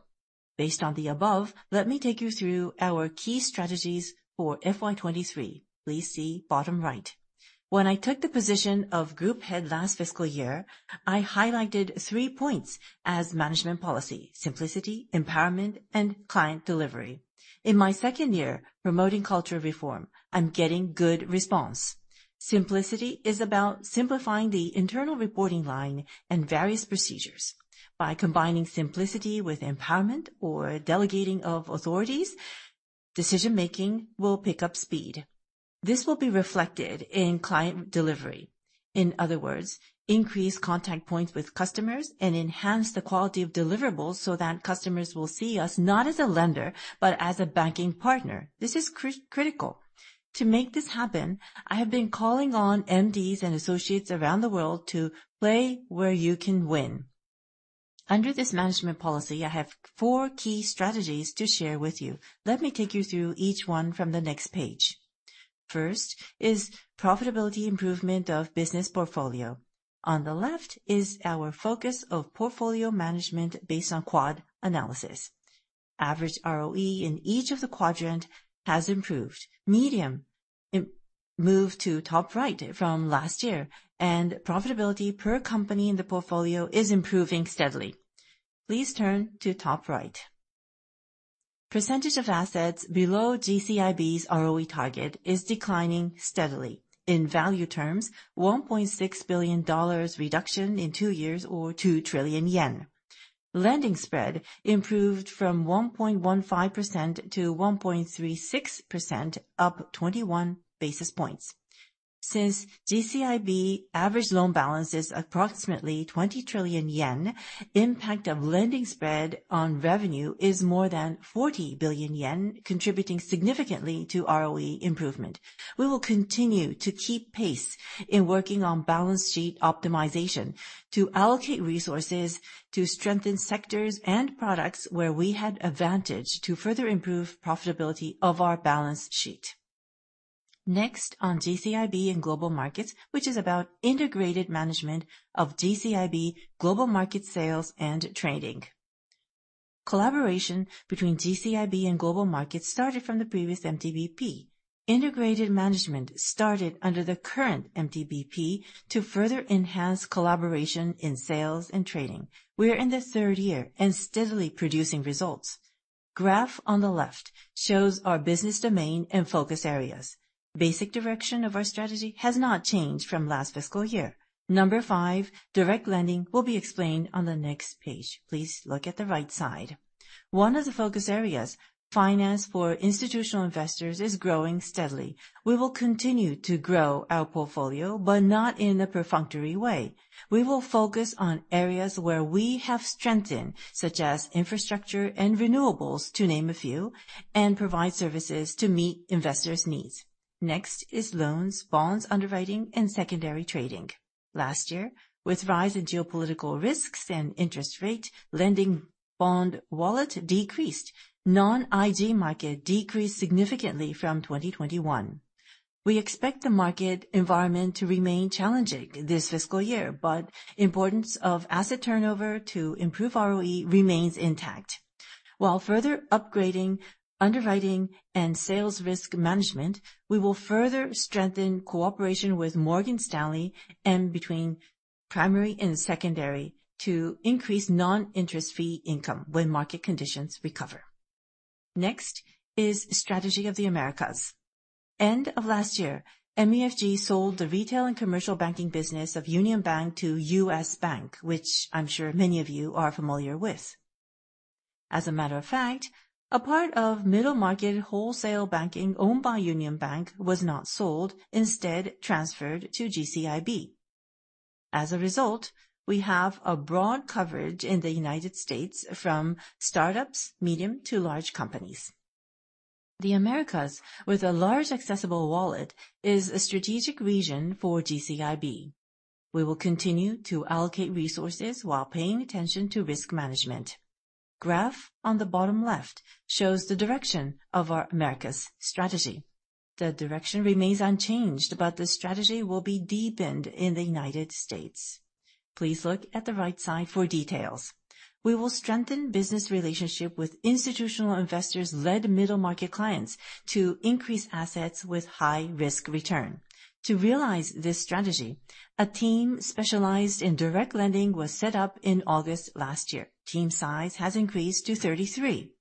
Based on the above, let me take you through our key strategies for FY 2023. Please see bottom right. When I took the position of Group Head last fiscal year, I highlighted three points as management policy: simplicity, empowerment, and client delivery. In my second year, promoting culture reform, I'm getting good response. Simplicity is about simplifying the internal reporting line and various procedures. By combining simplicity with empowerment or delegating of authorities, decision-making will pick up speed. This will be reflected in client delivery. In other words, increase contact points with customers and enhance the quality of deliverables so that customers will see us not as a lender, but as a banking partner. This is critical. To make this happen, I have been calling on MDs and associates around the world to play where you can win. Under this management policy, I have four key strategies to share with you. Let me take you through each one from the next page. First is profitability improvement of business portfolio. On the left is our focus of portfolio management based on QUAD analysis. Average ROE in each of the quadrant has improved. Medium, it moved to top right from last year, and profitability per company in the portfolio is improving steadily. Please turn to top right. Percentage of assets below GCIB's ROE target is declining steadily. In value terms, $1.6 billion reduction in two years or 2 trillion yen. Lending spread improved from 1.15% to 1.36%, up 21 basis points. Since GCIB average loan balance is approximately 20 trillion yen, impact of lending spread on revenue is more than 40 billion yen, contributing significantly to ROE improvement. We will continue to keep pace in working on balance sheet optimization to allocate resources to strengthen sectors and products where we had advantage to further improve profitability of our balance sheet. Next, on GCIB and Global Markets, which is about integrated management of GCIB Global Market sales and trading. Collaboration between GCIB and Global Markets started from the previous MTBP. Integrated management started under the current MTBP to further enhance collaboration in sales and trading. We are in the third year and steadily producing results. Graph on the left shows our business domain and focus areas. Basic direction of our strategy has not changed from last fiscal year. Number five, direct lending, will be explained on the next page. Please look at the right side. One of the focus areas, finance for institutional investors, is growing steadily. We will continue to grow our portfolio, but not in a perfunctory way. We will focus on areas where we have strength in, such as infrastructure and renewables, to name a few, and provide services to meet investors' needs. Next is loans, bonds underwriting, and secondary trading. Last year, with rise in geopolitical risks and interest rates, lending bond wallet decreased. Non-IG market decreased significantly from 2021. We expect the market environment to remain challenging this fiscal year. Importance of asset turnover to improve ROE remains intact. While further upgrading underwriting and sales risk management, we will further strengthen cooperation with Morgan Stanley and between primary and secondary to increase non-interest fee income when market conditions recover. Next is strategy of the Americas. End of last year, MUFG sold the retail and commercial banking business of MUFG Union Bank to U.S. Bank, which I'm sure many of you are familiar with. As a matter of fact, a part of middle-market wholesale banking owned by MUFG Union Bank was not sold, instead transferred to GCIB. As a result, we have a broad coverage in the United States from startups, medium to large companies. The Americas, with a large accessible wallet, is a strategic region for GCIB. We will continue to allocate resources while paying attention to risk management. Graph on the bottom left shows the direction of our Americas strategy. The direction remains unchanged, but the strategy will be deepened in the United States. Please look at the right side for details. We will strengthen business relationship with institutional investors-led middle-market clients to increase assets with high-risk return. To realize this strategy, a team specialized in direct lending was set up in August last year. Team size has increased to 33.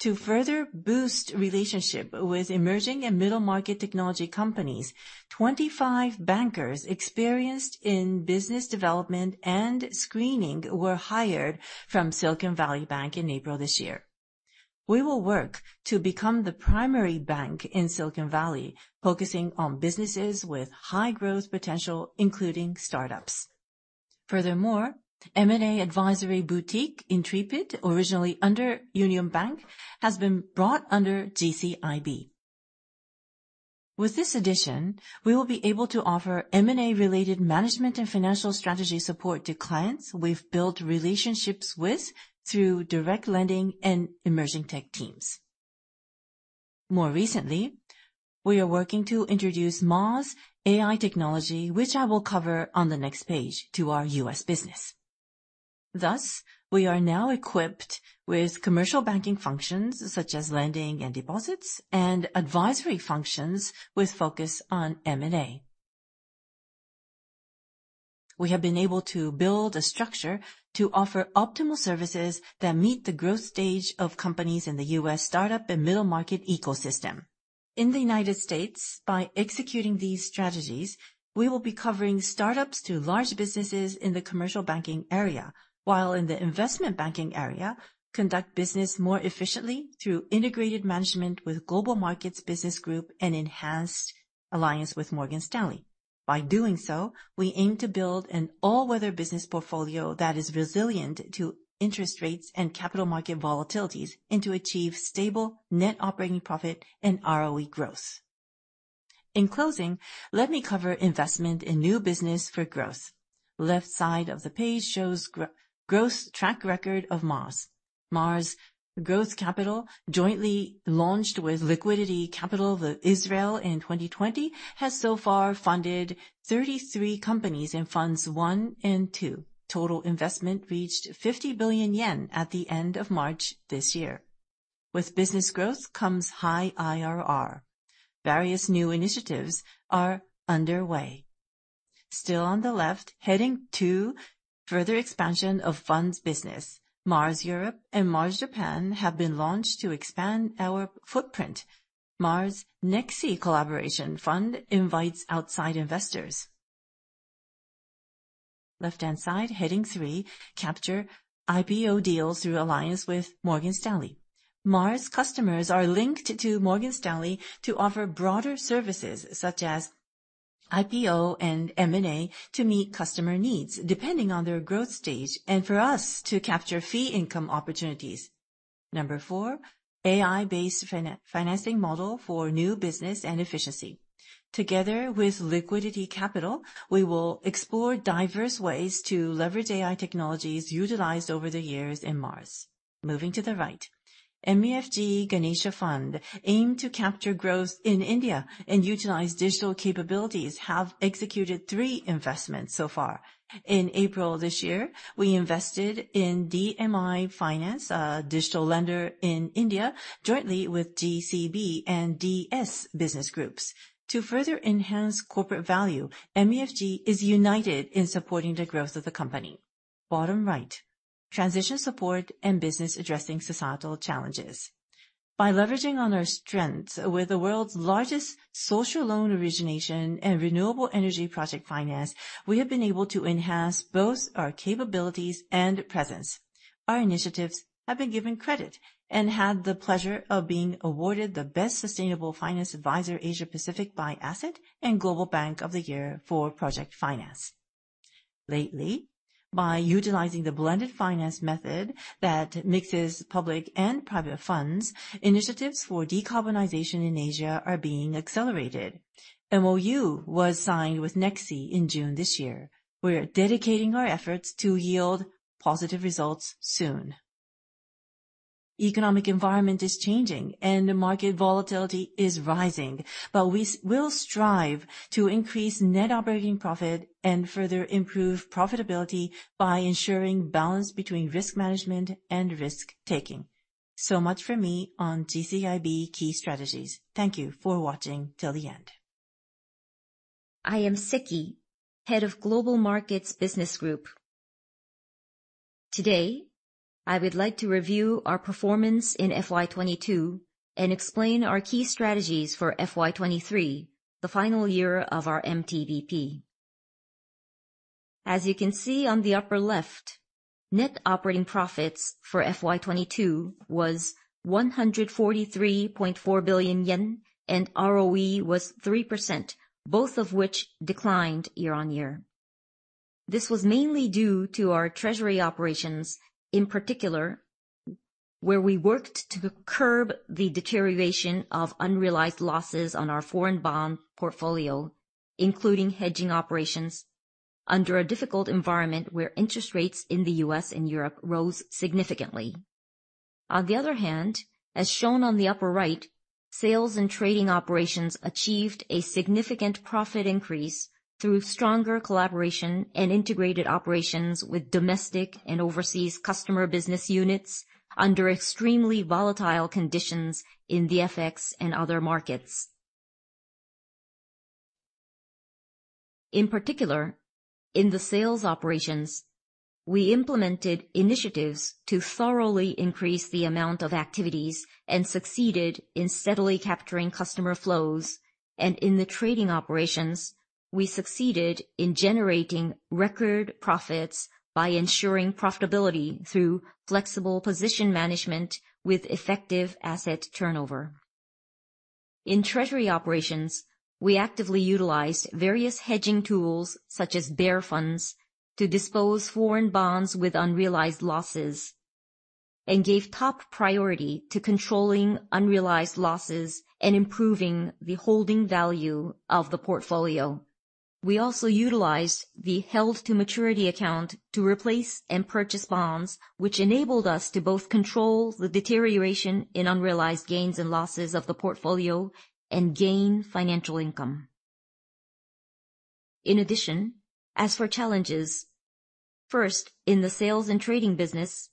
To further boost relationship with emerging and middle-market technology companies, 25 bankers experienced in business development and screening were hired from Silicon Valley Bank in April this year. We will work to become the primary bank in Silicon Valley, focusing on businesses with high-growth potential, including startups. M&A advisory boutique, Intrepid, originally under Union Bank, has been brought under GCIB. With this addition, we will be able to offer M&A-related management and financial strategy support to clients we've built relationships with through direct lending and emerging tech teams. We are working to introduce MARS AI technology, which I will cover on the next page, to our U.S. business. Thus, we are now equipped with commercial banking functions, such as lending and deposits, and advisory functions with focus on M&A. We have been able to build a structure to offer optimal services that meet the growth stage of companies in the U.S. startup and middle-market ecosystem. In the United States, by executing these strategies, we will be covering startups to large businesses in the commercial banking area, while in the investment banking area, conduct business more efficiently through integrated management with Global Markets Business Group and enhanced alliance with Morgan Stanley. We aim to build an all-weather business portfolio that is resilient to interest rates and capital market volatilities, and to achieve stable net operating profit and ROE growth. In closing, let me cover investment in new business for growth. Left side of the page shows growth track record of MARS. Mars Growth Capital, jointly launched with Liquidity Capital of Israel in 2020, has so far funded 33 companies in Funds I and II. Total investment reached 50 billion yen at the end of March this year. With business growth comes high IRR. Various new initiatives are underway. Still on the left, heading to further expansion of funds business, MARS Europe and MARS Japan have been launched to expand our footprint. MARS NEXI Collaboration Fund invites outside investors. Left-hand side, heading 3, capture IPO deals through alliance with Morgan Stanley. MARS customers are linked to Morgan Stanley to offer broader services, such as IPO and M&A, to meet customer needs, depending on their growth stage, and for us to capture fee income opportunities. Number 4, AI-based financing model for new business and efficiency. Together with Liquidity Capital, we will explore diverse ways to leverage AI technologies utilized over the years in MARS. Moving to the right, MUFG Ganesha Fund aimed to capture growth in India and utilize digital capabilities, have executed three investments so far. In April this year, we invested in DMI Finance, a digital lender in India, jointly with GCB and DS Business Groups. To further enhance corporate value, MUFG is united in supporting the growth of the company. Bottom right, transition support and business addressing societal challenges. By leveraging on our strengths with the world's largest social loan origination and renewable energy project finance, we have been able to enhance both our capabilities and presence. Our initiatives have been given credit and had the pleasure of being awarded the Best Sustainable Finance Adviser, Asia Pacific by The Asset and Global Bank of the Year for project finance. Lately, by utilizing the blended finance method that mixes public and private funds, initiatives for decarbonization in Asia are being accelerated. MOU was signed with NEXI in June this year. We are dedicating our efforts to yield positive results soon. Economic environment is changing, and market volatility is rising, but we will strive to increase net operating profit and further improve profitability by ensuring balance between risk management and risk-taking. Much for me on GCIB key strategies. Thank you for watching till the end. I am Seki, Head of Global Markets Business Group. Today, I would like to review our performance in FY 2022 and explain our key strategies for FY 2023, the final year of our MTBP. As you can see on the upper left, net operating profits for FY 2022 was 143.4 billion yen, and ROE was 3%, both of which declined year-on-year. This was mainly due to our treasury operations, in particular, where we worked to curb the deterioration of unrealized losses on our foreign bond portfolio, including hedging operations, under a difficult environment where interest rates in the U.S. and Europe rose significantly. As shown on the upper right, sales and trading operations achieved a significant profit increase through stronger collaboration and integrated operations with domestic and overseas customer business units under extremely volatile conditions in the FX and other markets. In particular, in the sales operations, we implemented initiatives to thoroughly increase the amount of activities and succeeded in steadily capturing customer flows, and in the trading operations, we succeeded in generating record profits by ensuring profitability through flexible position management with effective asset turnover. In treasury operations, we actively utilized various hedging tools, such as bear funds, to dispose foreign bonds with unrealized losses and gave top priority to controlling unrealized losses and improving the holding value of the portfolio. We also utilized the held-to-maturity account to replace and purchase bonds, which enabled us to both control the deterioration in unrealized gains and losses of the portfolio and gain financial income. As for challenges, first, in the sales and trading business,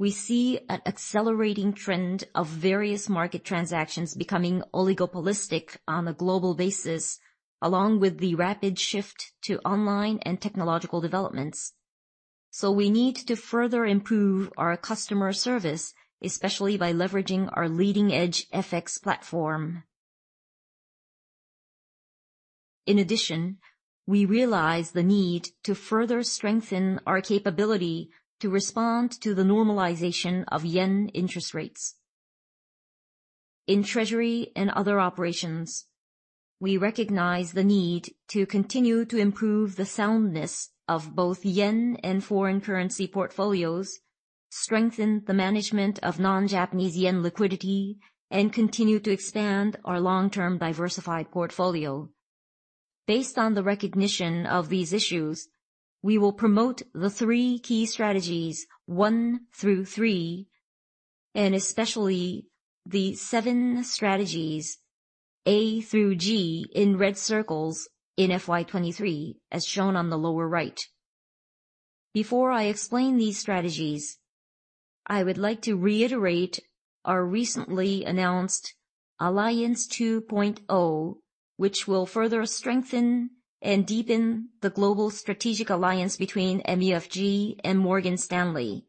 we see an accelerating trend of various market transactions becoming oligopolistic on a global basis, along with the rapid shift to online and technological developments. We need to further improve our customer service, especially by leveraging our leading-edge FX platform. We realize the need to further strengthen our capability to respond to the normalization of yen interest rates. In treasury and other operations, we recognize the need to continue to improve the soundness of both yen and foreign currency portfolios, strengthen the management of non-Japanese yen liquidity, and continue to expand our long-term diversified portfolio. Based on the recognition of these issues, we will promote the three key strategies, one through three, and especially the seven strategies, A through G, in red circles in FY 2023, as shown on the lower right. Before I explain these strategies, I would like to reiterate our recently announced Alliance 2.0, which will further strengthen and deepen the global strategic alliance between MUFG and Morgan Stanley.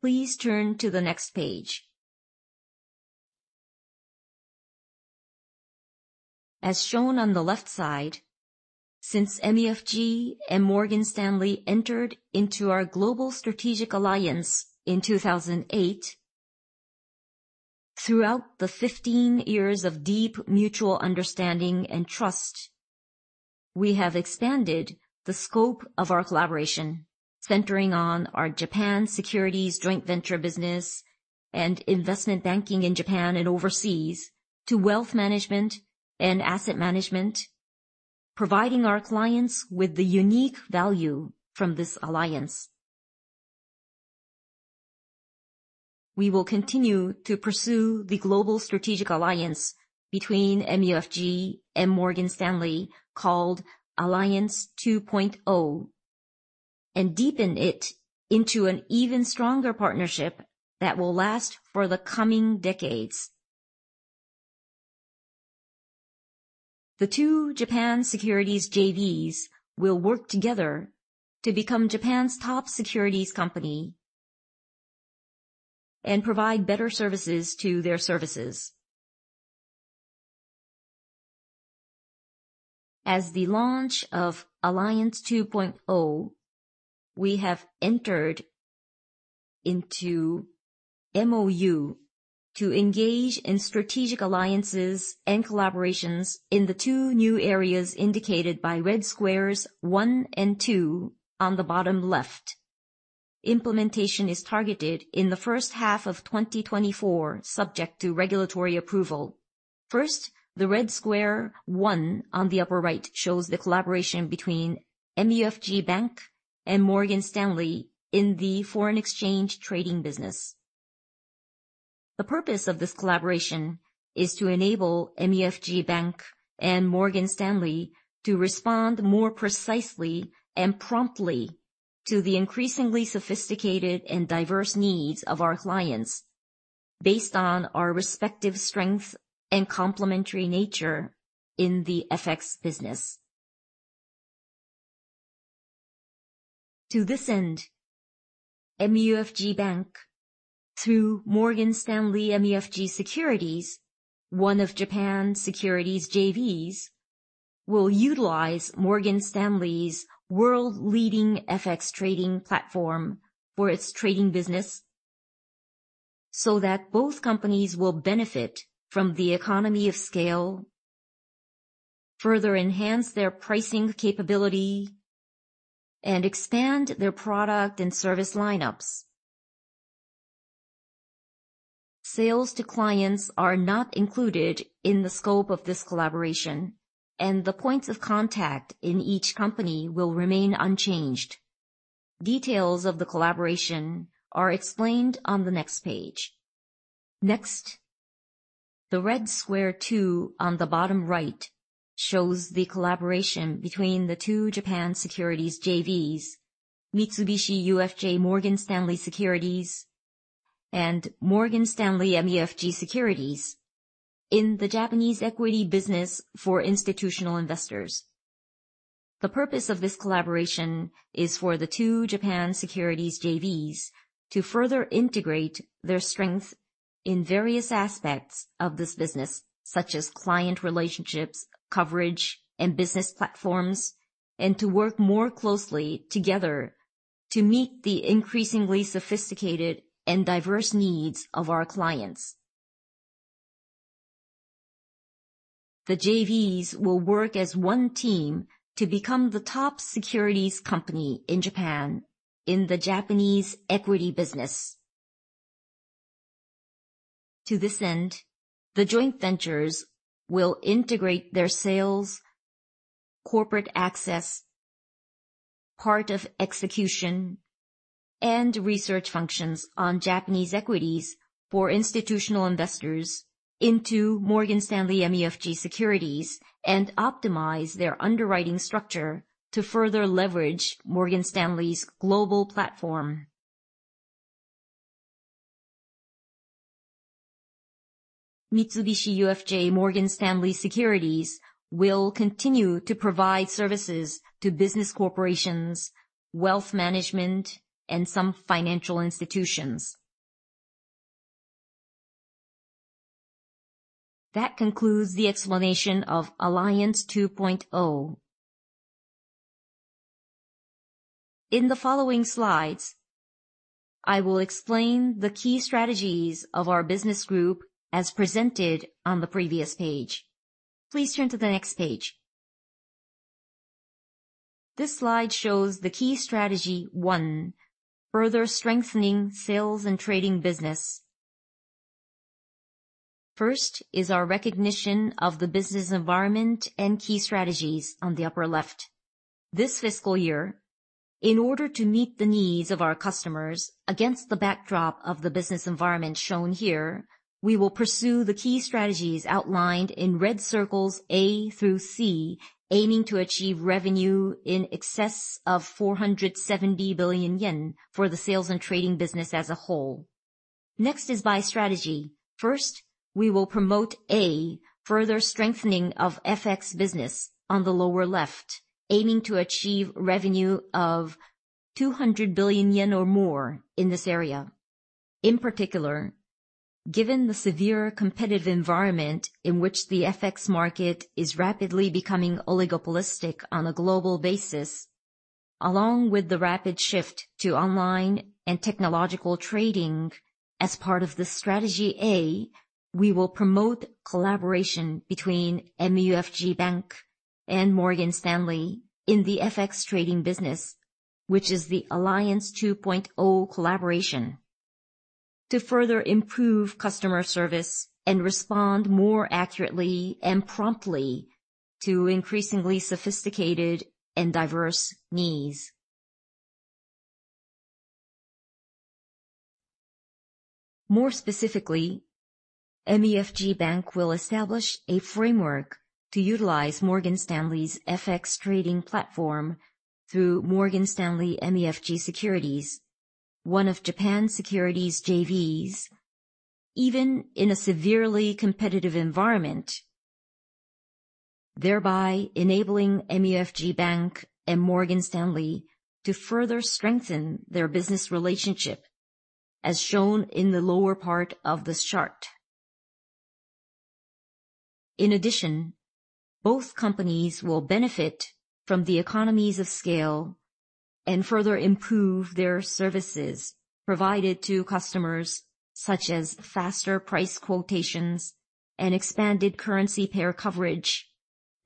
Please turn to the next page. As shown on the left side, since MUFG and Morgan Stanley entered into our global strategic alliance in 2008, throughout the 15 years of deep mutual understanding and trust, we have expanded the scope of our collaboration, centering on our Japan Securities joint venture business and investment banking in Japan and overseas, to wealth management and asset management, providing our clients with the unique value from this alliance. We will continue to pursue the global strategic alliance between MUFG and Morgan Stanley, called Alliance 2.0, and deepen it into an even stronger partnership that will last for the coming decades. The two Japan Securities JVs will work together to become Japan's top securities company and provide better services to their services. The launch of Alliance 2.0, we have entered into MOU to engage in strategic alliances and collaborations in the two new areas indicated by red squares 1 and 2 on the bottom left. Implementation is targeted in the first half of 2024, subject to regulatory approval. The red square 1 on the upper right shows the collaboration between MUFG Bank and Morgan Stanley in the foreign exchange trading business. The purpose of this collaboration is to enable MUFG Bank and Morgan Stanley to respond more precisely and promptly to the increasingly sophisticated and diverse needs of our clients, based on our respective strength and complementary nature in the FX business. To this end, MUFG Bank, through Morgan Stanley MUFG Securities, one of Japan's securities JVs, will utilize Morgan Stanley's world-leading FX trading platform for its trading business, so that both companies will benefit from the economy of scale, further enhance their pricing capability, and expand their product and service lineups. Sales to clients are not included in the scope of this collaboration, the points of contact in each company will remain unchanged. Details of the collaboration are explained on the next page. Next, the red square 2 on the bottom right shows the collaboration between the two Japan Securities JVs, Mitsubishi UFJ Morgan Stanley Securities, and Morgan Stanley MUFG Securities in the Japanese equity business for institutional investors. The purpose of this collaboration is for the two Japan Securities JVs to further integrate their strength in various aspects of this business, such as client relationships, coverage, and business platforms, and to work more closely together to meet the increasingly sophisticated and diverse needs of our clients. The JVs will work as one team to become the top securities company in Japan in the Japanese equity business. To this end, the joint ventures will integrate their sales, corporate access, part of execution, and research functions on Japanese equities for institutional investors into Morgan Stanley MUFG Securities, and optimize their underwriting structure to further leverage Morgan Stanley's global platform. Mitsubishi UFJ Morgan Stanley Securities will continue to provide services to business corporations, wealth management, and some financial institutions. That concludes the explanation of Alliance 2.0. In the following slides, I will explain the key strategies of our business group as presented on the previous page. Please turn to the next page. This slide shows the key strategy 1: Further strengthening sales and trading business. First is our recognition of the business environment and key strategies on the upper left. This fiscal year, in order to meet the needs of our customers against the backdrop of the business environment shown here, we will pursue the key strategies outlined in red circles A through C, aiming to achieve revenue in excess of 470 billion yen for the sales and trading business as a whole. Next is by strategy. First, we will promote A, further strengthening of FX business on the lower left, aiming to achieve revenue of 200 billion yen or more in this area. In particular, given the severe competitive environment in which the FX market is rapidly becoming oligopolistic on a global basis, along with the rapid shift to online and technological trading, as part of the strategy A, we will promote collaboration between MUFG Bank and Morgan Stanley in the FX trading business, which is the Alliance 2.0 collaboration, to further improve customer service and respond more accurately and promptly to increasingly sophisticated and diverse needs. More specifically, MUFG Bank will establish a framework to utilize Morgan Stanley's FX trading platform through Morgan Stanley MUFG Securities, one of Japan's securities JVs, even in a severely competitive environment, thereby enabling MUFG Bank and Morgan Stanley to further strengthen their business relationship, as shown in the lower part of this chart. In addition, both companies will benefit from the economies of scale and further improve their services provided to customers, such as faster price quotations and expanded currency pair coverage,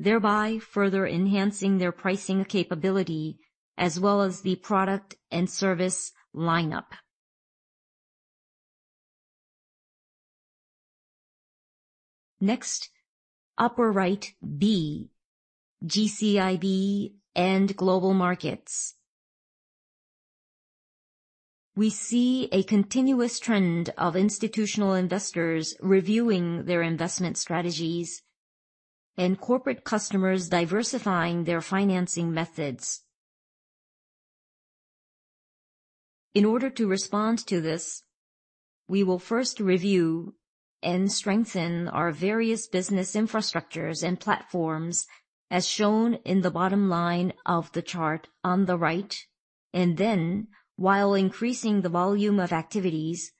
thereby further enhancing their pricing capability as well as the product and service lineup. Next, upper right, B, GCIB and Global Markets. We see a continuous trend of institutional investors reviewing their investment strategies and corporate customers diversifying their financing methods. In order to respond to this, we will first review and strengthen our various business infrastructures and platforms, as shown in the bottom line of the chart on the right, and then, while increasing the volume of activities,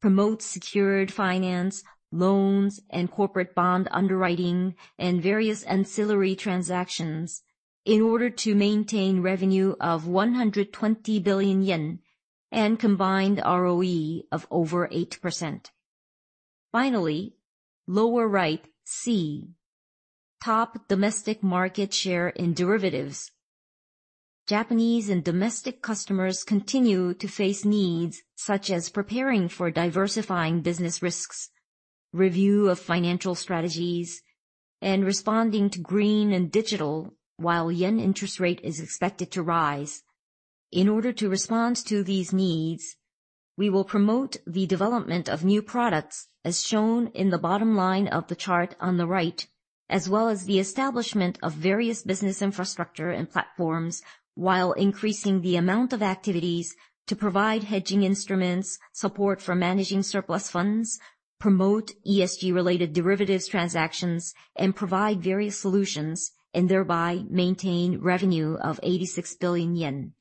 promote secured finance, loans, and corporate bond underwriting, and various ancillary transactions in order to maintain revenue of 120 billion yen and combined ROE of over 8%. Finally, lower right, C, top domestic market share in derivatives. Japanese and domestic customers continue to face needs, such as preparing for diversifying business risks, review of financial strategies, and responding to green and digital, while yen interest rate is expected to rise. In order to respond to these needs, we will promote the development of new products, as shown in the bottom line of the chart on the right, as well as the establishment of various business infrastructure and platforms, while increasing the amount of activities to provide hedging instruments, support for managing surplus funds, promote ESG-related derivatives transactions, and provide various solutions, and thereby maintain revenue of 86 billion yen.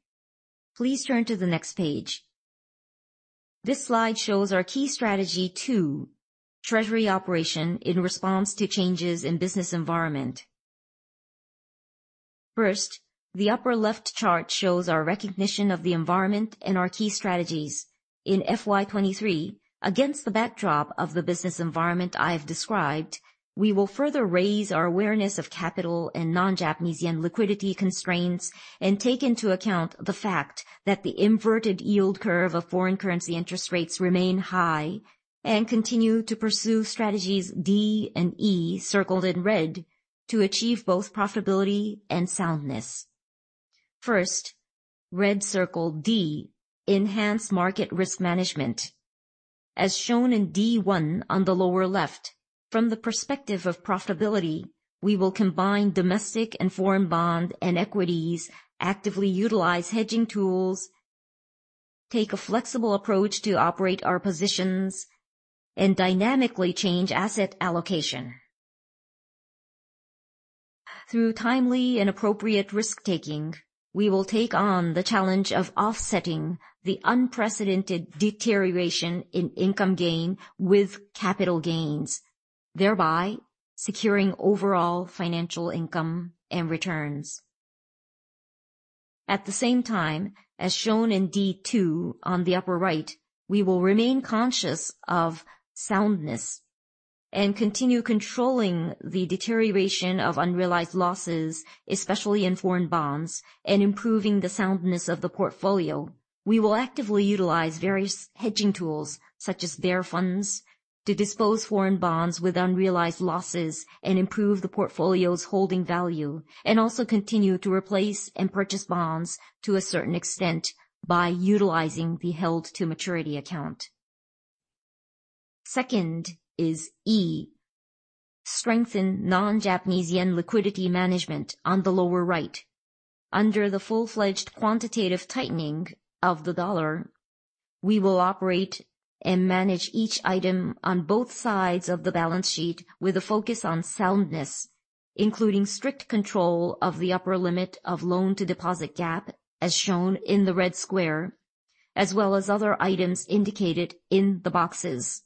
Please turn to the next page. This slide shows our key strategy 2: treasury operation in response to changes in business environment. First, the upper left chart shows our recognition of the environment and our key strategies. In FY 2023, against the backdrop of the business environment I've described, we will further raise our awareness of capital and non-Japanese yen liquidity constraints and take into account the fact that the inverted yield curve of foreign currency interest rates remain high and continue to pursue strategies D and E, circled in red, to achieve both profitability and soundness. Red circle D, enhance market risk management. As shown in D1 on the lower left, from the perspective of profitability, we will combine domestic and foreign bond and equities, actively utilize hedging tools, take a flexible approach to operate our positions, and dynamically change asset allocation. Through timely and appropriate risk-taking, we will take on the challenge of offsetting the unprecedented deterioration in income gain with capital gains, thereby securing overall financial income and returns. At the same time, as shown in D2 on the upper right, we will remain conscious of soundness and continue controlling the deterioration of unrealized losses, especially in foreign bonds, and improving the soundness of the portfolio. We will actively utilize various hedging tools, such as bear funds, to dispose foreign bonds with unrealized losses and improve the portfolio's holding value, and also continue to replace and purchase bonds to a certain extent by utilizing the held-to-maturity account. Second is strengthen non-Japanese yen liquidity management on the lower right. Under the full-fledged quantitative tightening of the U.S. dollar, we will operate and manage each item on both sides of the balance sheet with a focus on soundness, including strict control of the upper limit of loan-to-deposit gap, as shown in the red square, as well as other items indicated in the boxes.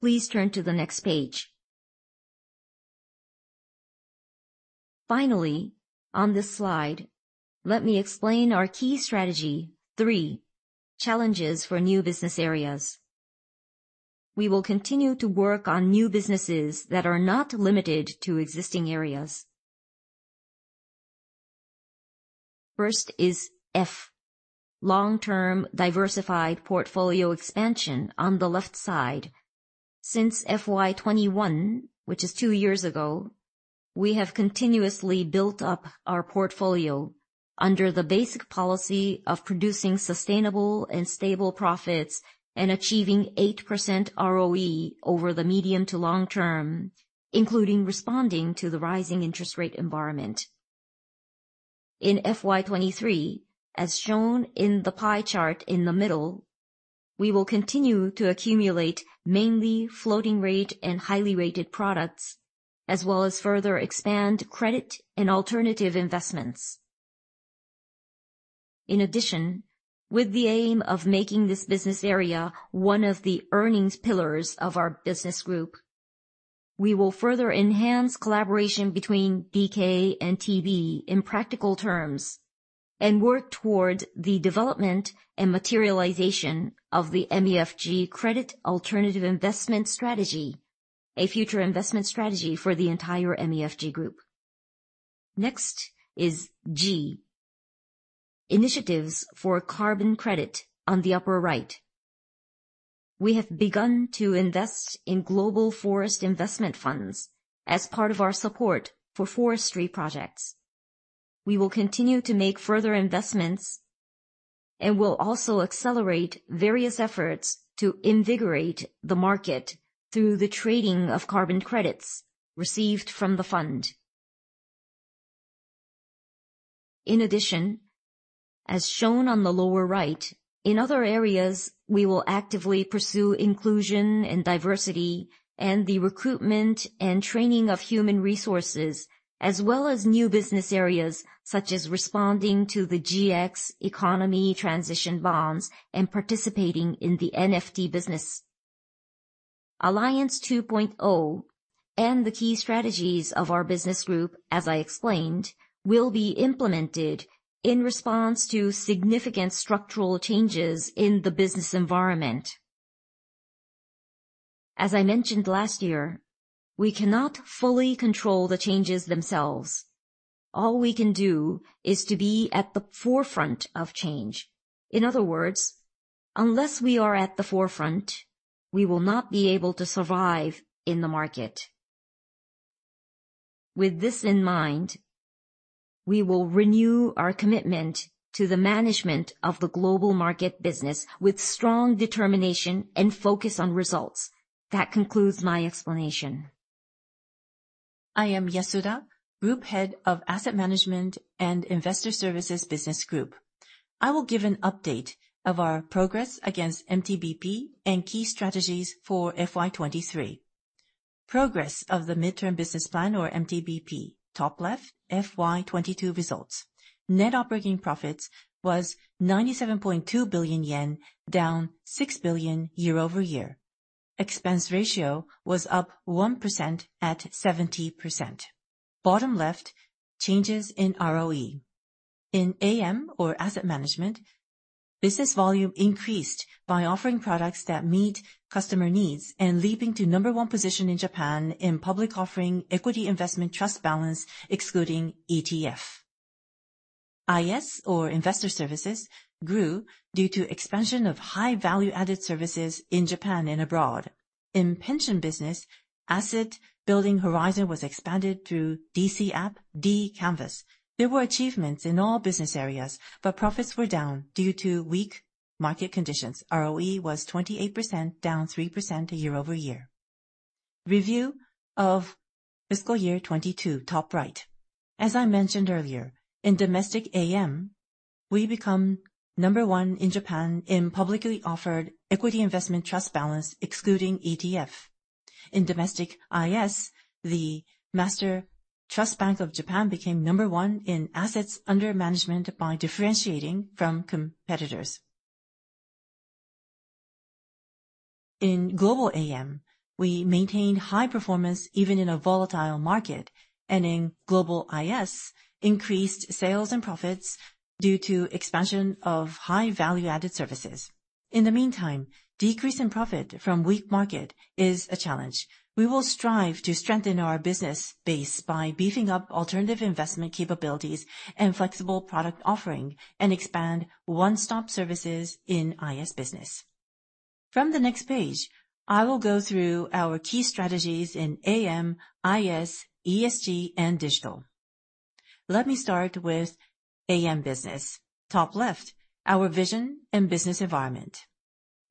Please turn to the next page. Finally, on this slide, let me explain our key strategy 3: challenges for new business areas. We will continue to work on new businesses that are not limited to existing areas. First is F, long-term diversified portfolio expansion on the left side. Since FY 2021, which is two years ago, we have continuously built up our portfolio under the basic policy of producing sustainable and stable profits, and achieving 8% ROE over the medium to long term, including responding to the rising interest rate environment. In FY 2023, as shown in the pie chart in the middle, we will continue to accumulate mainly floating rate and highly rated products, as well as further expand credit and alternative investments. In addition, with the aim of making this business area one of the earnings pillars of our business group, we will further enhance collaboration between BK and TB in practical terms, and work towards the development and materialization of the MUFG Credit Alternative Investment Strategy, a future investment strategy for the entire MUFG Group. Next is G, initiatives for carbon credit on the upper right. We have begun to invest in global forest investment funds as part of our support for forestry projects. We will continue to make further investments, and we'll also accelerate various efforts to invigorate the market through the trading of carbon credits received from the fund. In addition, as shown on the lower right, in other areas, we will actively pursue inclusion and diversity, and the recruitment and training of human resources, as well as new business areas, such as responding to the GX Economy Transition Bonds and participating in the NFT business. Alliance 2.0 and the key strategies of our business group, as I explained, will be implemented in response to significant structural changes in the business environment. As I mentioned last year, we cannot fully control the changes themselves. All we can do is to be at the forefront of change. In other words, unless we are at the forefront, we will not be able to survive in the market. With this in mind, we will renew our commitment to the management of the global market business with strong determination and focus on results. That concludes my explanation. I am Yasuda, Group Head of Asset Management and Investor Services Business Group. I will give an update of our progress against MTBP and key strategies for FY 2023. Progress of the midterm business plan or MTBP. Top left, FY 2022 results. Net operating profits was 97.2 billion yen, down 6 billion year-over-year. Expense ratio was up 1% at 70%. Bottom left, changes in ROE. In AM, or asset management, business volume increased by offering products that meet customer needs and leaping to number one position in Japan in public offering equity investment trust balance, excluding ETF. IS, or investor services, grew due to expansion of high value-added services in Japan and abroad. In pension business, asset building horizon was expanded through DC app, dCANVAS. There were achievements in all business areas. Profits were down due to weak market conditions. ROE was 28%, down 3% year-over-year. Review of fiscal year 2022, top right. As I mentioned earlier, in Domestic AM, we become number one in Japan in publicly offered equity investment trust balance, excluding ETF. In Domestic IS, The Master Trust Bank of Japan became number one in assets under management by differentiating from competitors. In Global AM, we maintained high performance even in a volatile market. In global IS, increased sales and profits due to expansion of high value-added services. In the meantime, decrease in profit from weak market is a challenge. We will strive to strengthen our business base by beefing up alternative investment capabilities and flexible product offering, and expand one-stop services in IS business. From the next page, I will go through our key strategies in AM, IS, ESG, and digital. Let me start with AM business. Top left, our vision and business environment.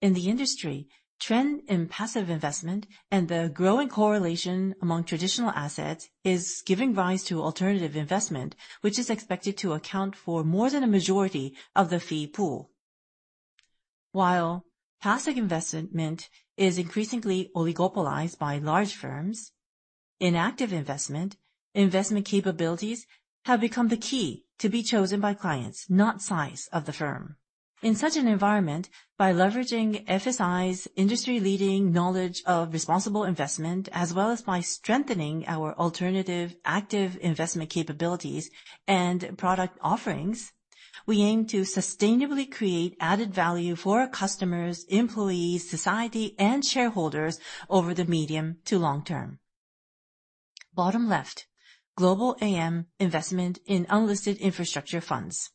In the industry, trend in passive investment and the growing correlation among traditional assets is giving rise to alternative investment, which is expected to account for more than a majority of the fee pool. While passive investment is increasingly oligopolized by large firms, in active investment capabilities have become the key to be chosen by clients, not size of the firm. In such an environment, by leveraging FSI's industry-leading knowledge of responsible investment, as well as by strengthening our alternative active investment capabilities and product offerings, we aim to sustainably create added value for our customers, employees, society, and shareholders over the medium to long term. Bottom left, Global AM investment in unlisted infrastructure funds.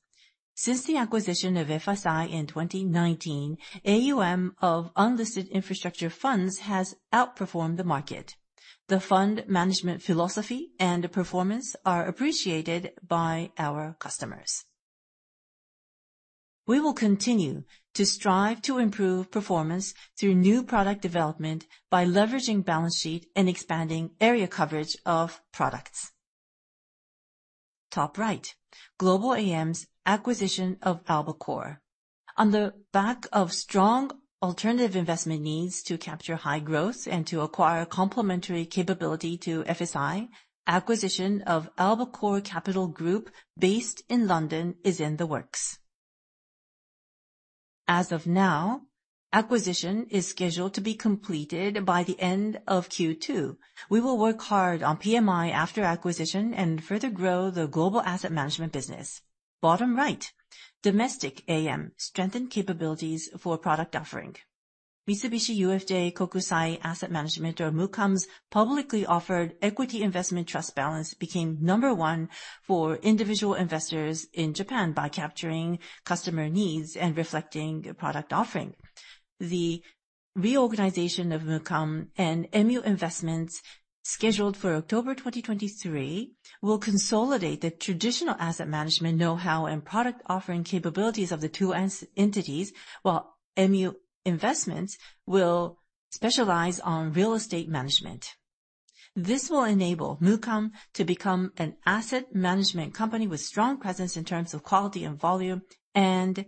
Since the acquisition of FSI in 2019, AUM of unlisted infrastructure funds has outperformed the market. The fund management philosophy and performance are appreciated by our customers. We will continue to strive to improve performance through new product development by leveraging balance sheet and expanding area coverage of products. Top right, Global AM's acquisition of AlbaCore. On the back of strong alternative investment needs to capture high growth and to acquire complementary capability to FSI, acquisition of AlbaCore Capital Group, based in London, is in the works. As of now, acquisition is scheduled to be completed by the end of Q2. We will work hard on PMI after acquisition and further grow the global asset management business. Bottom right, Domestic AM strengthened capabilities for product offering. Mitsubishi UFJ Kokusai Asset Management, or MUKAM's, publicly offered equity investment trust balance became number one for individual investors in Japan by capturing customer needs and reflecting product offering. The reorganization of MUKAM and MU Investments, scheduled for October 2023, will consolidate the traditional asset management know-how and product offering capabilities of the two entities, while MU Investments will specialize on real estate management. This will enable MUKAM to become an asset management company with strong presence in terms of quality and volume, and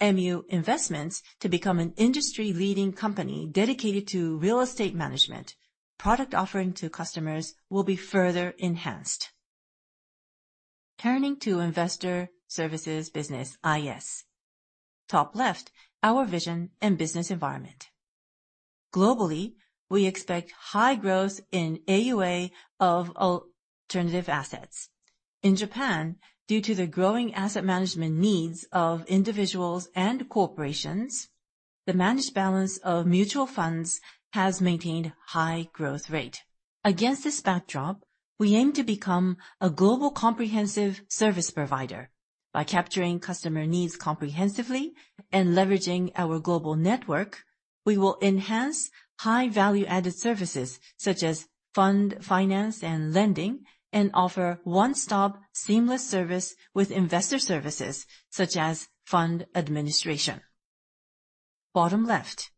MU Investments to become an industry-leading company dedicated to real estate management. Product offering to customers will be further enhanced. Turning to investor services business, IS. Top left, our vision and business environment. Globally, we expect high growth in AUA of alternative assets. In Japan, due to the growing asset management needs of individuals and corporations, the managed balance of mutual funds has maintained high growth rate. Against this backdrop, we aim to become a global comprehensive service provider. By capturing customer needs comprehensively and leveraging our global network, we will enhance high value-added services, such as fund finance and lending, and offer one-stop seamless service with investor services, such as fund administration. Bottom left,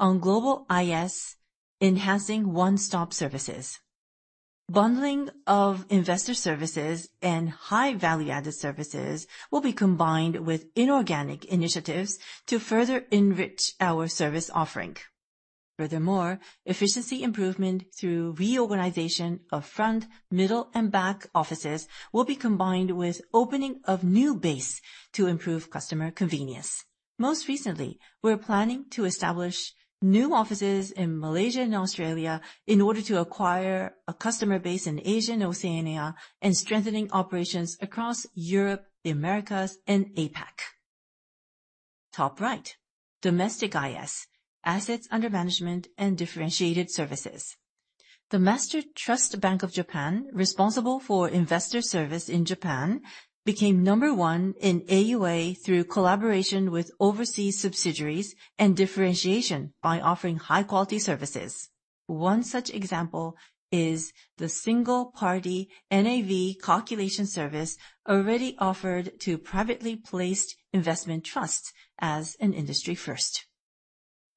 on global IS, enhancing one-stop services. Bundling of investor services and high value-added services will be combined with inorganic initiatives to further enrich our service offering. Efficiency improvement through reorganization of front, middle, and back offices will be combined with opening of new base to improve customer convenience. Most recently, we're planning to establish new offices in Malaysia and Australia in order to acquire a customer base in Asia-Oceania and strengthening operations across Europe, the Americas, and APAC. Top right, Domestic IS, assets under management and differentiated services. The Master Trust Bank of Japan, responsible for investor service in Japan, became number one in AUA through collaboration with overseas subsidiaries and differentiation by offering high-quality services. One such example is the single-party NAV calculation service already offered to privately placed investment trusts as an industry first.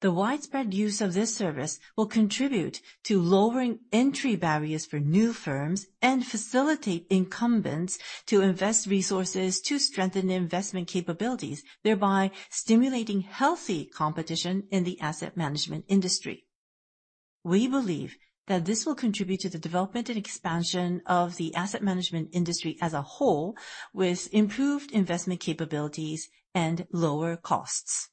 The widespread use of this service will contribute to lowering entry barriers for new firms and facilitate incumbents to invest resources to strengthen investment capabilities, thereby stimulating healthy competition in the asset management industry. We believe that this will contribute to the development and expansion of the asset management industry as a whole, with improved investment capabilities and lower costs.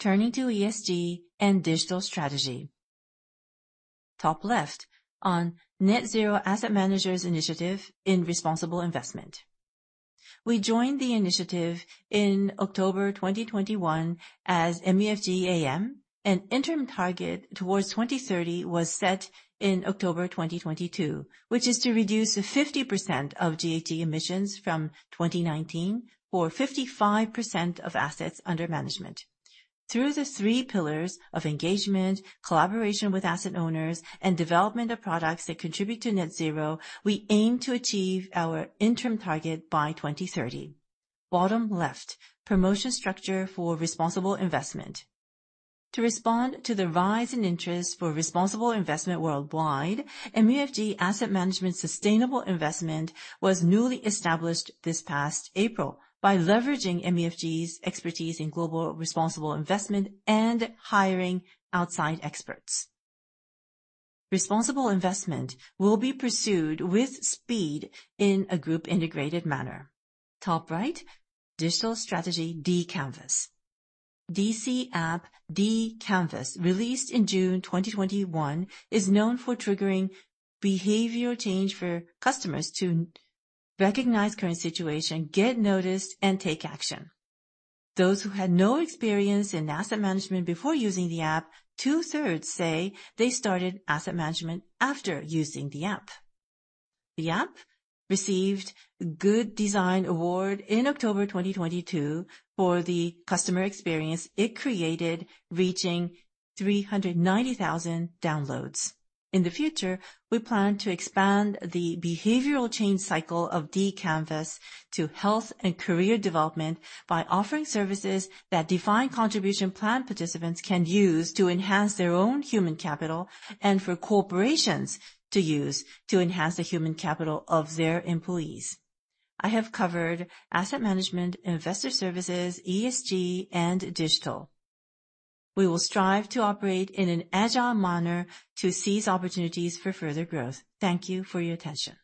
Turning to ESG and digital strategy. Top left, on Net-Zero Asset Managers Initiative in responsible investment. We joined the initiative in October 2021 as MUFG AM. An interim target towards 2030 was set in October 2022, which is to reduce 50% of GHG emissions from 2019 or 55% of assets under management. Through the three pillars of engagement, collaboration with asset owners, and development of products that contribute to net zero, we aim to achieve our interim target by 2030. Bottom left, promotion structure for responsible investment. To respond to the rise in interest for responsible investment worldwide, MUFG Asset Management Sustainable Investment was newly established this past April by leveraging MUFG's expertise in global responsible investment and hiring outside experts. Responsible investment will be pursued with speed in a group-integrated manner. Top right, digital strategy, dCANVAS. DC app dCANVAS, released in June 2021, is known for triggering behavior change for customers to recognize current situation, get noticed, and take action. Those who had no experience in asset management before using the app, two-thirds say they started asset management after using the app. The app received Good Design Award in October 2022 for the customer experience it created, reaching 390,000 downloads. In the future, we plan to expand the behavioral change cycle of dCANVAS to health and career development by offering services that defined contribution plan participants can use to enhance their own human capital, and for corporations to use to enhance the human capital of their employees. I have covered asset management, investor services, ESG, and digital. We will strive to operate in an agile manner to seize opportunities for further growth. Thank you for your attention.